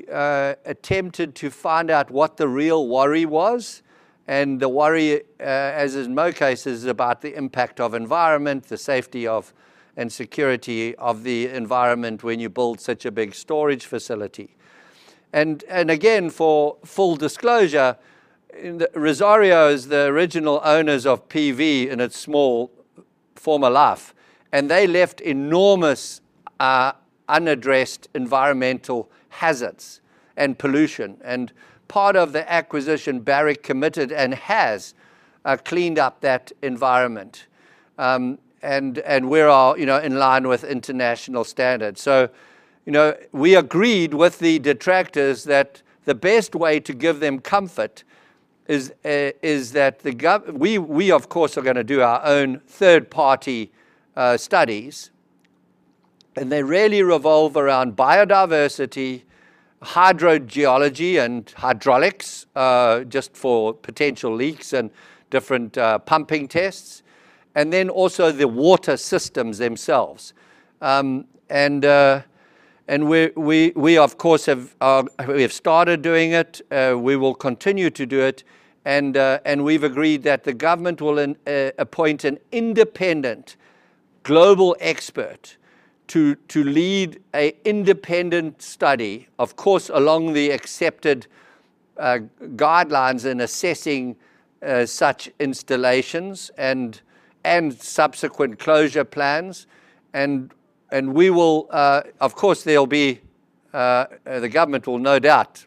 attempted to find out what the real worry was. The worry, as in most cases, is about the impact of environment, the safety and security of the environment when you build such a big storage facility. For full disclosure, Rosario is the original owners of PV in its small former life, and they left enormous unaddressed environmental hazards and pollution. Part of the acquisition, Barrick committed and has cleaned up that environment, and we're all in line with international standards. We agreed with the detractors that the best way to give them comfort is that We, of course, are going to do our own third-party studies, and they really revolve around biodiversity, hydrogeology, and hydraulics, just for potential leaks and different pumping tests, and then also the water systems themselves. We, of course, have started doing it. We will continue to do it. We've agreed that the government will appoint an independent global expert to lead an independent study, of course, along the accepted guidelines in assessing such installations and subsequent closure plans. We will, of course, the government will no doubt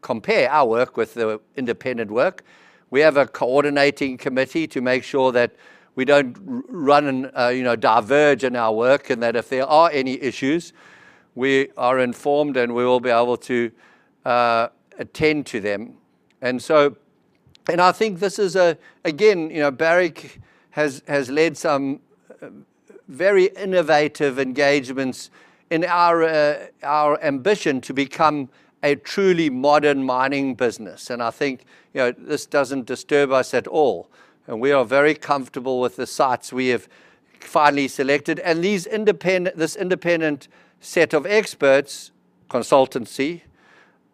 compare our work with the independent work. We have a coordinating committee to make sure that we don't run and diverge in our work, and that if there are any issues, we are informed, and we will be able to attend to them. I think this is, again, Barrick has led some very innovative engagements in our ambition to become a truly modern mining business. I think this doesn't disturb us at all. We are very comfortable with the sites we have finally selected. This independent set of experts, consultancy,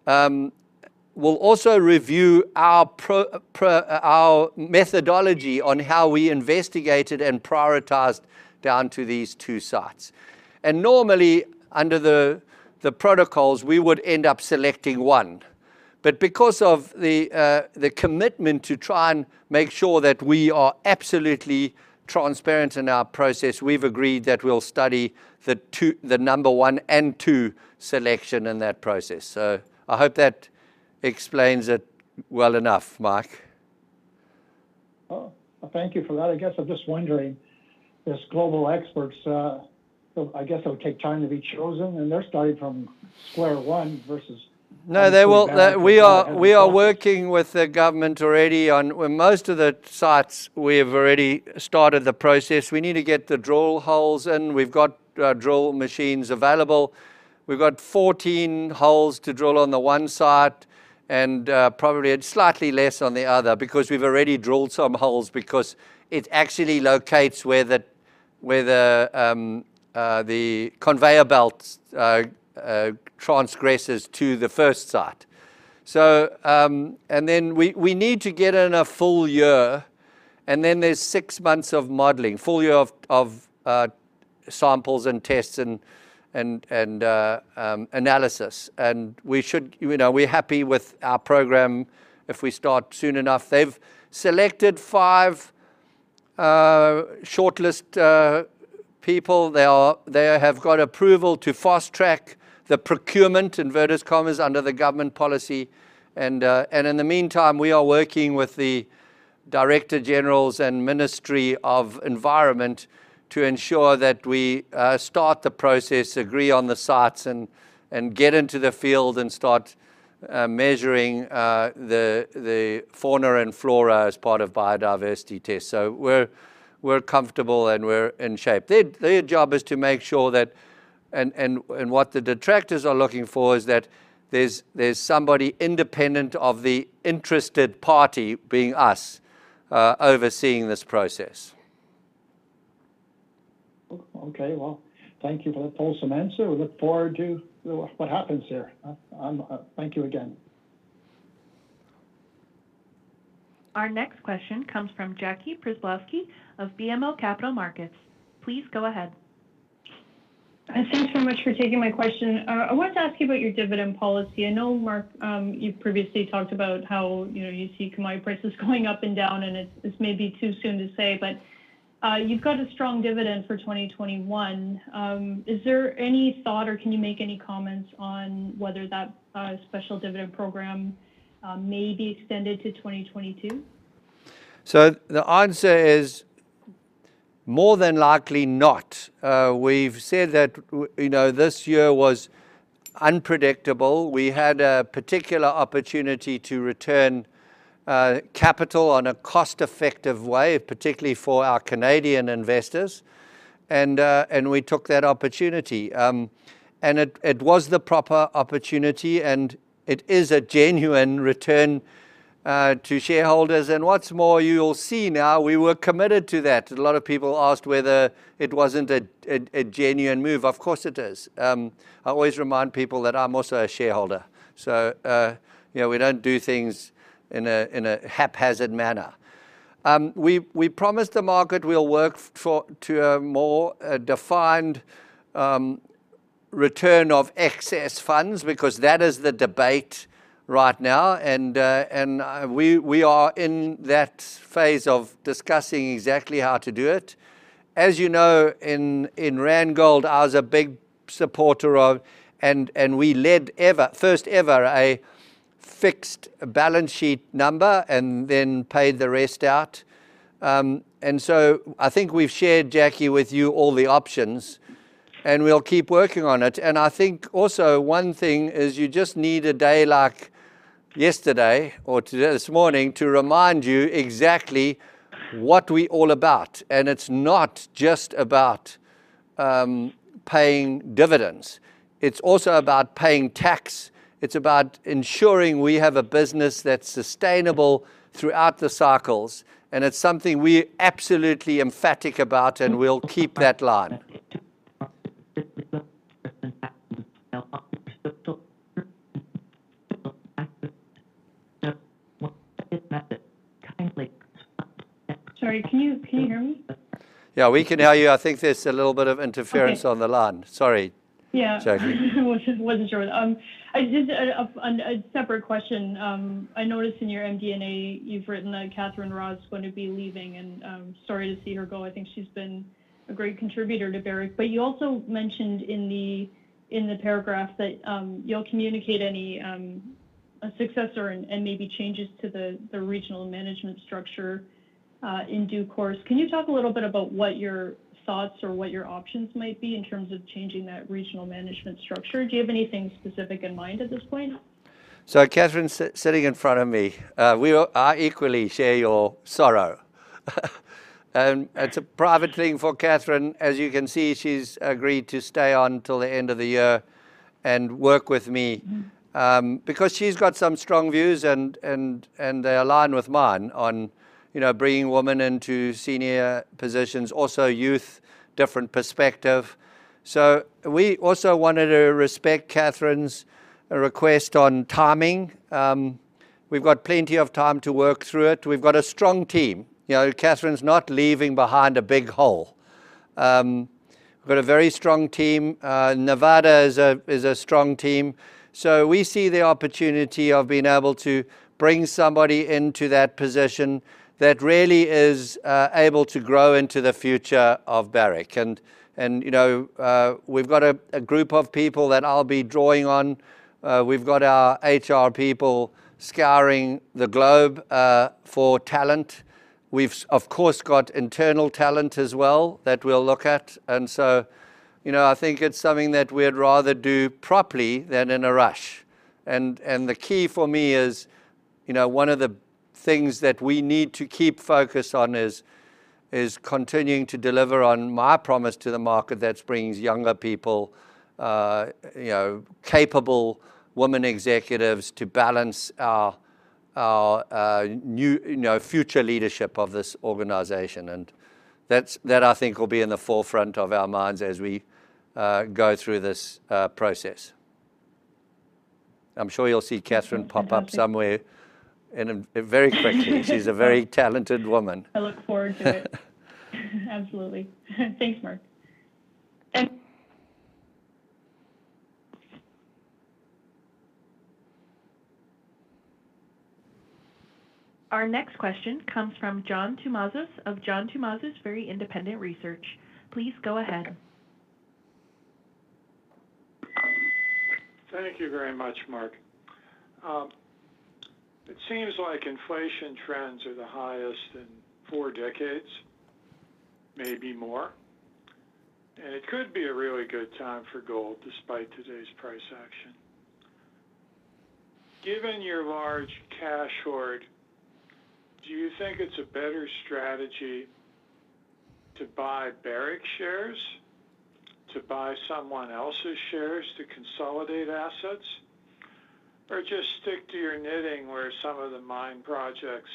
will also review our methodology on how we investigated and prioritized down to these two sites. Normally, under the protocols, we would end up selecting one. Because of the commitment to try and make sure that we are absolutely transparent in our process, we've agreed that we'll study the number one and two selection in that process. I hope that explains it well enough, Mark. Oh, thank you for that. I guess I'm just wondering, those global experts, I guess they'll take time to be chosen, and they're starting from square one. No, we are working with the government already. Most of the sites we have already started the process. We need to get the drill holes in. We've got drill machines available. We've got 14 holes to drill on the one site and probably slightly less on the other because we've already drilled some holes because it actually locates where the conveyor belt transgresses to the first site. Then we need to get in a full year, then there's six months of modeling, a full year of samples and tests and analysis. We're happy with our program if we start soon enough. They've selected five shortlist people. They have got approval to fast-track the procurement, inverted commas, under the government policy. In the meantime, we are working with the director generals and Ministry of Environment to ensure that we start the process, agree on the sites, and get into the field and start measuring the fauna and flora as part of biodiversity tests. We're comfortable, and we're in shape. Their job is to make sure that, and what the detractors are looking for is that there's somebody independent of the interested party, being us, overseeing this process. Okay. Well, thank you for that fulsome answer. We look forward to what happens here. Thank you again. Our next question comes from Jackie Przybylowski of BMO Capital Markets. Please go ahead. Thanks so much for taking my question. I wanted to ask you about your dividend policy. I know, Mark, you've previously talked about how you see commodity prices going up and down, and this may be too soon to say, but you've got a strong dividend for 2021. Is there any thought, or can you make any comments on whether that special dividend program may be extended to 2022? The answer is more than likely not. We've said that this year was unpredictable. We had a particular opportunity to return capital on a cost-effective way, particularly for our Canadian investors. We took that opportunity. It was the proper opportunity. It is a genuine return to shareholders. What's more, you'll see now, we were committed to that. A lot of people asked whether it wasn't a genuine move. Of course it is. I always remind people that I'm also a shareholder. We don't do things in a haphazard manner. We promised the market we'll work to a more defined return of excess funds, because that is the debate right now. We are in that phase of discussing exactly how to do it. As you know, in Randgold, I was a big supporter of, we led first ever a fixed balance sheet number, then paid the rest out. I think we've shared, Jackie, with you all the options, we'll keep working on it. I think also one thing is you just need a day like yesterday or today, this morning, to remind you exactly what we all about. It's not just about paying dividends. It's also about paying tax. It's about ensuring we have a business that's sustainable throughout the cycles, and it's something we're absolutely emphatic about, and we'll keep that line. Sorry, can you hear me? Yeah, we can hear you. I think there's a little bit of interference. Okay on the line. Sorry. Yeah. Jackie. Wasn't sure. Just a separate question. I noticed in your MD&A, you've written that Catherine Raw is going to be leaving, and I'm sorry to see her go. I think she's been a great contributor to Barrick. You also mentioned in the paragraph that you'll communicate any successor and maybe changes to the regional management structure in due course. Can you talk a little bit about what your thoughts or what your options might be in terms of changing that regional management structure? Do you have anything specific in mind at this point? Catherine's sitting in front of me. I equally share your sorrow. It's a private thing for Catherine. As you can see, she's agreed to stay on till the end of the year and work with me, because she's got some strong views and they align with mine on bringing women into senior positions, also youth, different perspective. We also wanted to respect Catherine's request on timing. We've got plenty of time to work through it. We've got a strong team. Catherine's not leaving behind a big hole. We've got a very strong team. Nevada is a strong team. We see the opportunity of being able to bring somebody into that position that really is able to grow into the future of Barrick. We've got a group of people that I'll be drawing on. We've got our HR people scouring the globe for talent. We've, of course, got internal talent as well that we'll look at. I think it's something that we'd rather do properly than in a rush. The key for me is, one of the things that we need to keep focus on is continuing to deliver on my promise to the market that brings younger people, capable women executives to balance our future leadership of this organization. That, I think, will be in the forefront of our minds as we go through this process. I'm sure you'll see Catherine pop up. Absolutely somewhere very quickly. She's a very talented woman. I look forward to it. Absolutely. Thanks, Mark. Our next question comes from John Tumazos of John Tumazos Very Independent Research. Please go ahead. Thank you very much, Mark. It seems like inflation trends are the highest in four decades, maybe more, and it could be a really good time for gold despite today's price action. Given your large cash hoard, do you think it's a better strategy to buy Barrick shares, to buy someone else's shares to consolidate assets, or just stick to your knitting where some of the mine projects,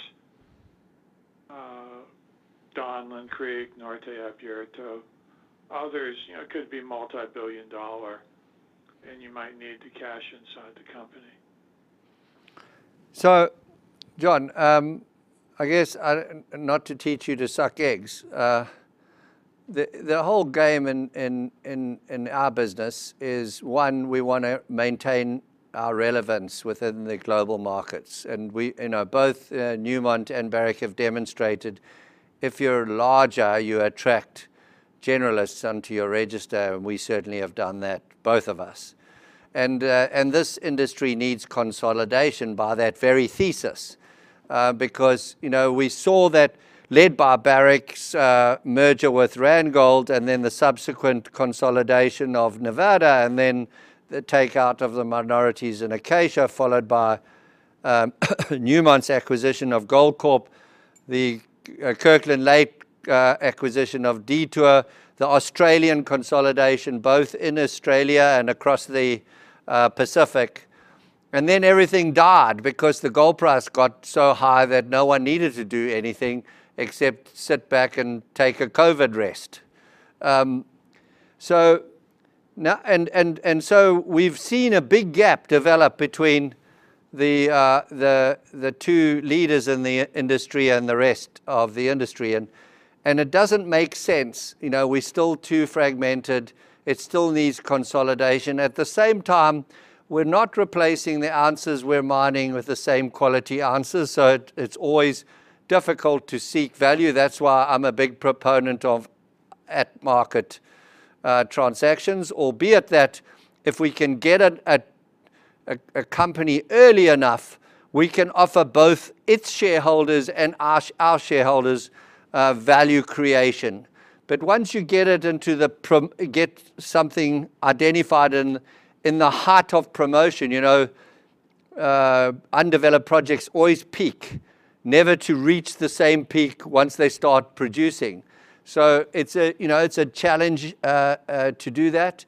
Donlin Creek, Norte Abierto, others could be multi-billion dollar and you might need to cash inside the company? John, I guess, not to teach you to suck eggs. The whole game in our business is, one, we want to maintain our relevance within the global markets. Both Newmont and Barrick have demonstrated if you're larger, you attract generalists onto your register, and we certainly have done that, both of us. This industry needs consolidation by that very thesis. We saw that led by Barrick's merger with Randgold and then the subsequent consolidation of Nevada and then the takeout of the minorities in Acacia, followed by Newmont's acquisition of Goldcorp, the Kirkland Lake Gold acquisition of Detour Gold, the Australian consolidation, both in Australia and across the Pacific. Everything died because the gold price got so high that no one needed to do anything except sit back and take a COVID rest. We've seen a big gap develop between the two leaders in the industry and the rest of the industry, and it doesn't make sense. We're still too fragmented. It still needs consolidation. At the same time, we're not replacing the ounces we're mining with the same quality ounces, so it's always difficult to seek value. That's why I'm a big proponent of at-market transactions, albeit that if we can get at a company early enough, we can offer both its shareholders and our shareholders value creation. Once you get something identified and in the heart of promotion, undeveloped projects always peak, never to reach the same peak once they start producing. It's a challenge to do that.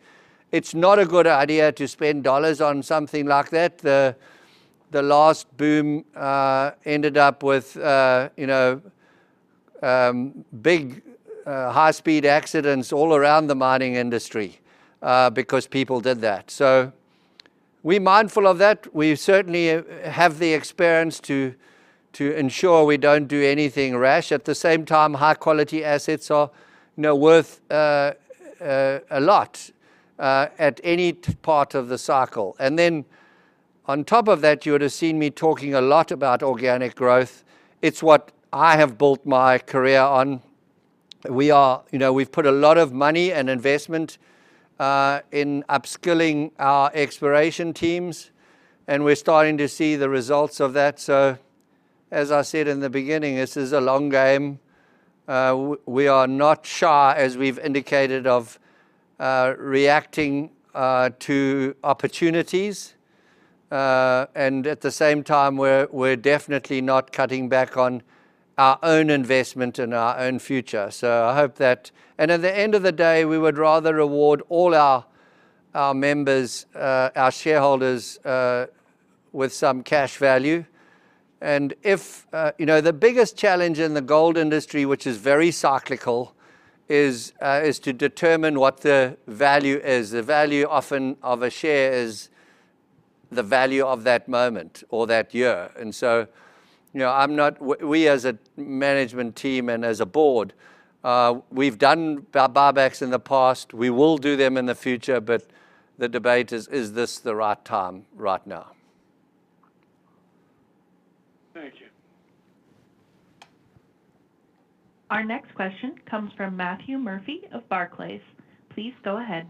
It's not a good idea to spend dollars on something like that. The last boom ended up with big high-speed accidents all around the mining industry because people did that. We're mindful of that. We certainly have the experience to ensure we don't do anything rash. At the same time, high-quality assets are worth a lot at any part of the cycle. On top of that, you would've seen me talking a lot about organic growth. It's what I have built my career on. We've put a lot of money and investment in upskilling our exploration teams, and we're starting to see the results of that. As I said in the beginning, this is a long game. We are not shy, as we've indicated, of reacting to opportunities. At the same time, we're definitely not cutting back on our own investment and our own future. At the end of the day, we would rather reward all our members, our shareholders, with some cash value. The biggest challenge in the gold industry, which is very cyclical, is to determine what the value is. The value often of a share is the value of that moment or that year. We as a management team and as a board, we've done buybacks in the past. We will do them in the future. The debate is this the right time right now? Thank you. Our next question comes from Matthew Murphy of Barclays. Please go ahead.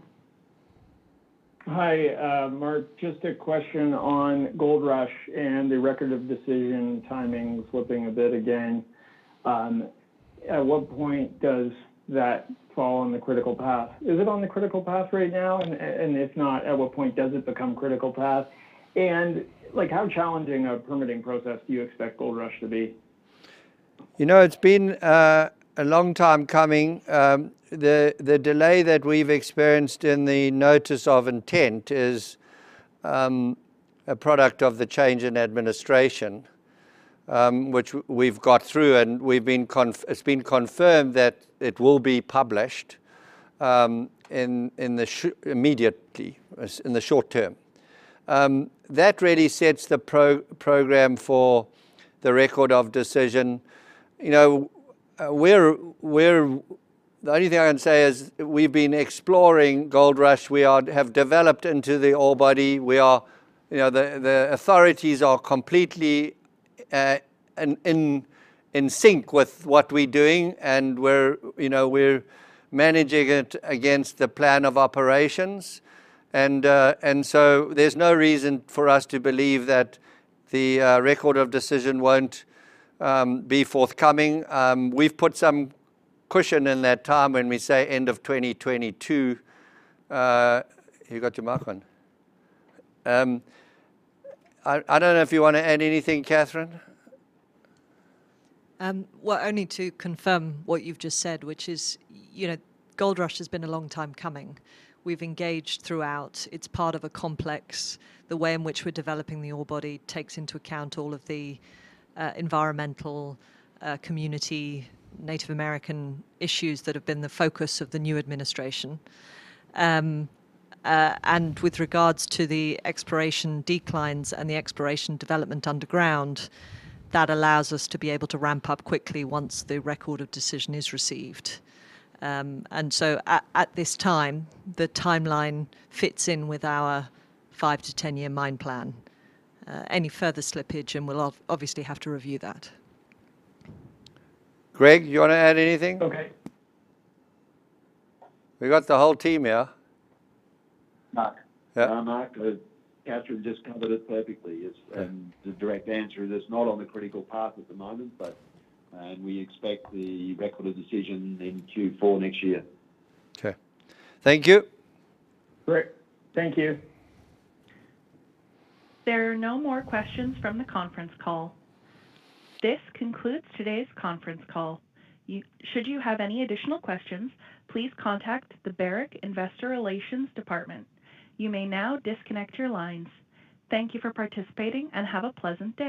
Hi, Mark. Just a question on Goldrush and the record of decision timing slipping a bit again. At what point does that fall on the critical path? Is it on the critical path right now? If not, at what point does it become critical path? How challenging a permitting process do you expect Goldrush to be? It's been a long time coming. The delay that we've experienced in the notice of intent is a product of the change in administration, which we've got through and it's been confirmed that it will be published immediately, in the short term. That really sets the program for the record of decision. The only thing I can say is we've been exploring Goldrush. We have developed into the ore body. The authorities are completely in sync with what we're doing, and we're managing it against the plan of operations. There's no reason for us to believe that the record of decision won't be forthcoming. We've put some cushion in that time when we say end of 2022. You got your mic on. I don't know if you want to add anything, Catherine. Well, only to confirm what you've just said, which is Goldrush has been a long time coming. We've engaged throughout. It's part of a complex. The way in which we're developing the ore body takes into account all of the environmental community, Native American issues that have been the focus of the new administration. With regards to the exploration declines and the exploration development underground, that allows us to be able to ramp up quickly once the record of decision is received. At this time, the timeline fits in with our 5- to 10-year mine plan. Any further slippage, and we'll obviously have to review that. Greg, you want to add anything? Okay. We've got the whole team here. Mark. Yeah. Mark, Catherine just covered it perfectly. Okay. The direct answer is it's not on the critical path at the moment, but we expect the record of decision in Q4 next year. Okay. Thank you. Great. Thank you. There are no more questions from the conference call. This concludes today's conference call. Should you have any additional questions, please contact the Barrick Investor Relations department. You may now disconnect your lines. Thank you for participating, and have a pleasant day.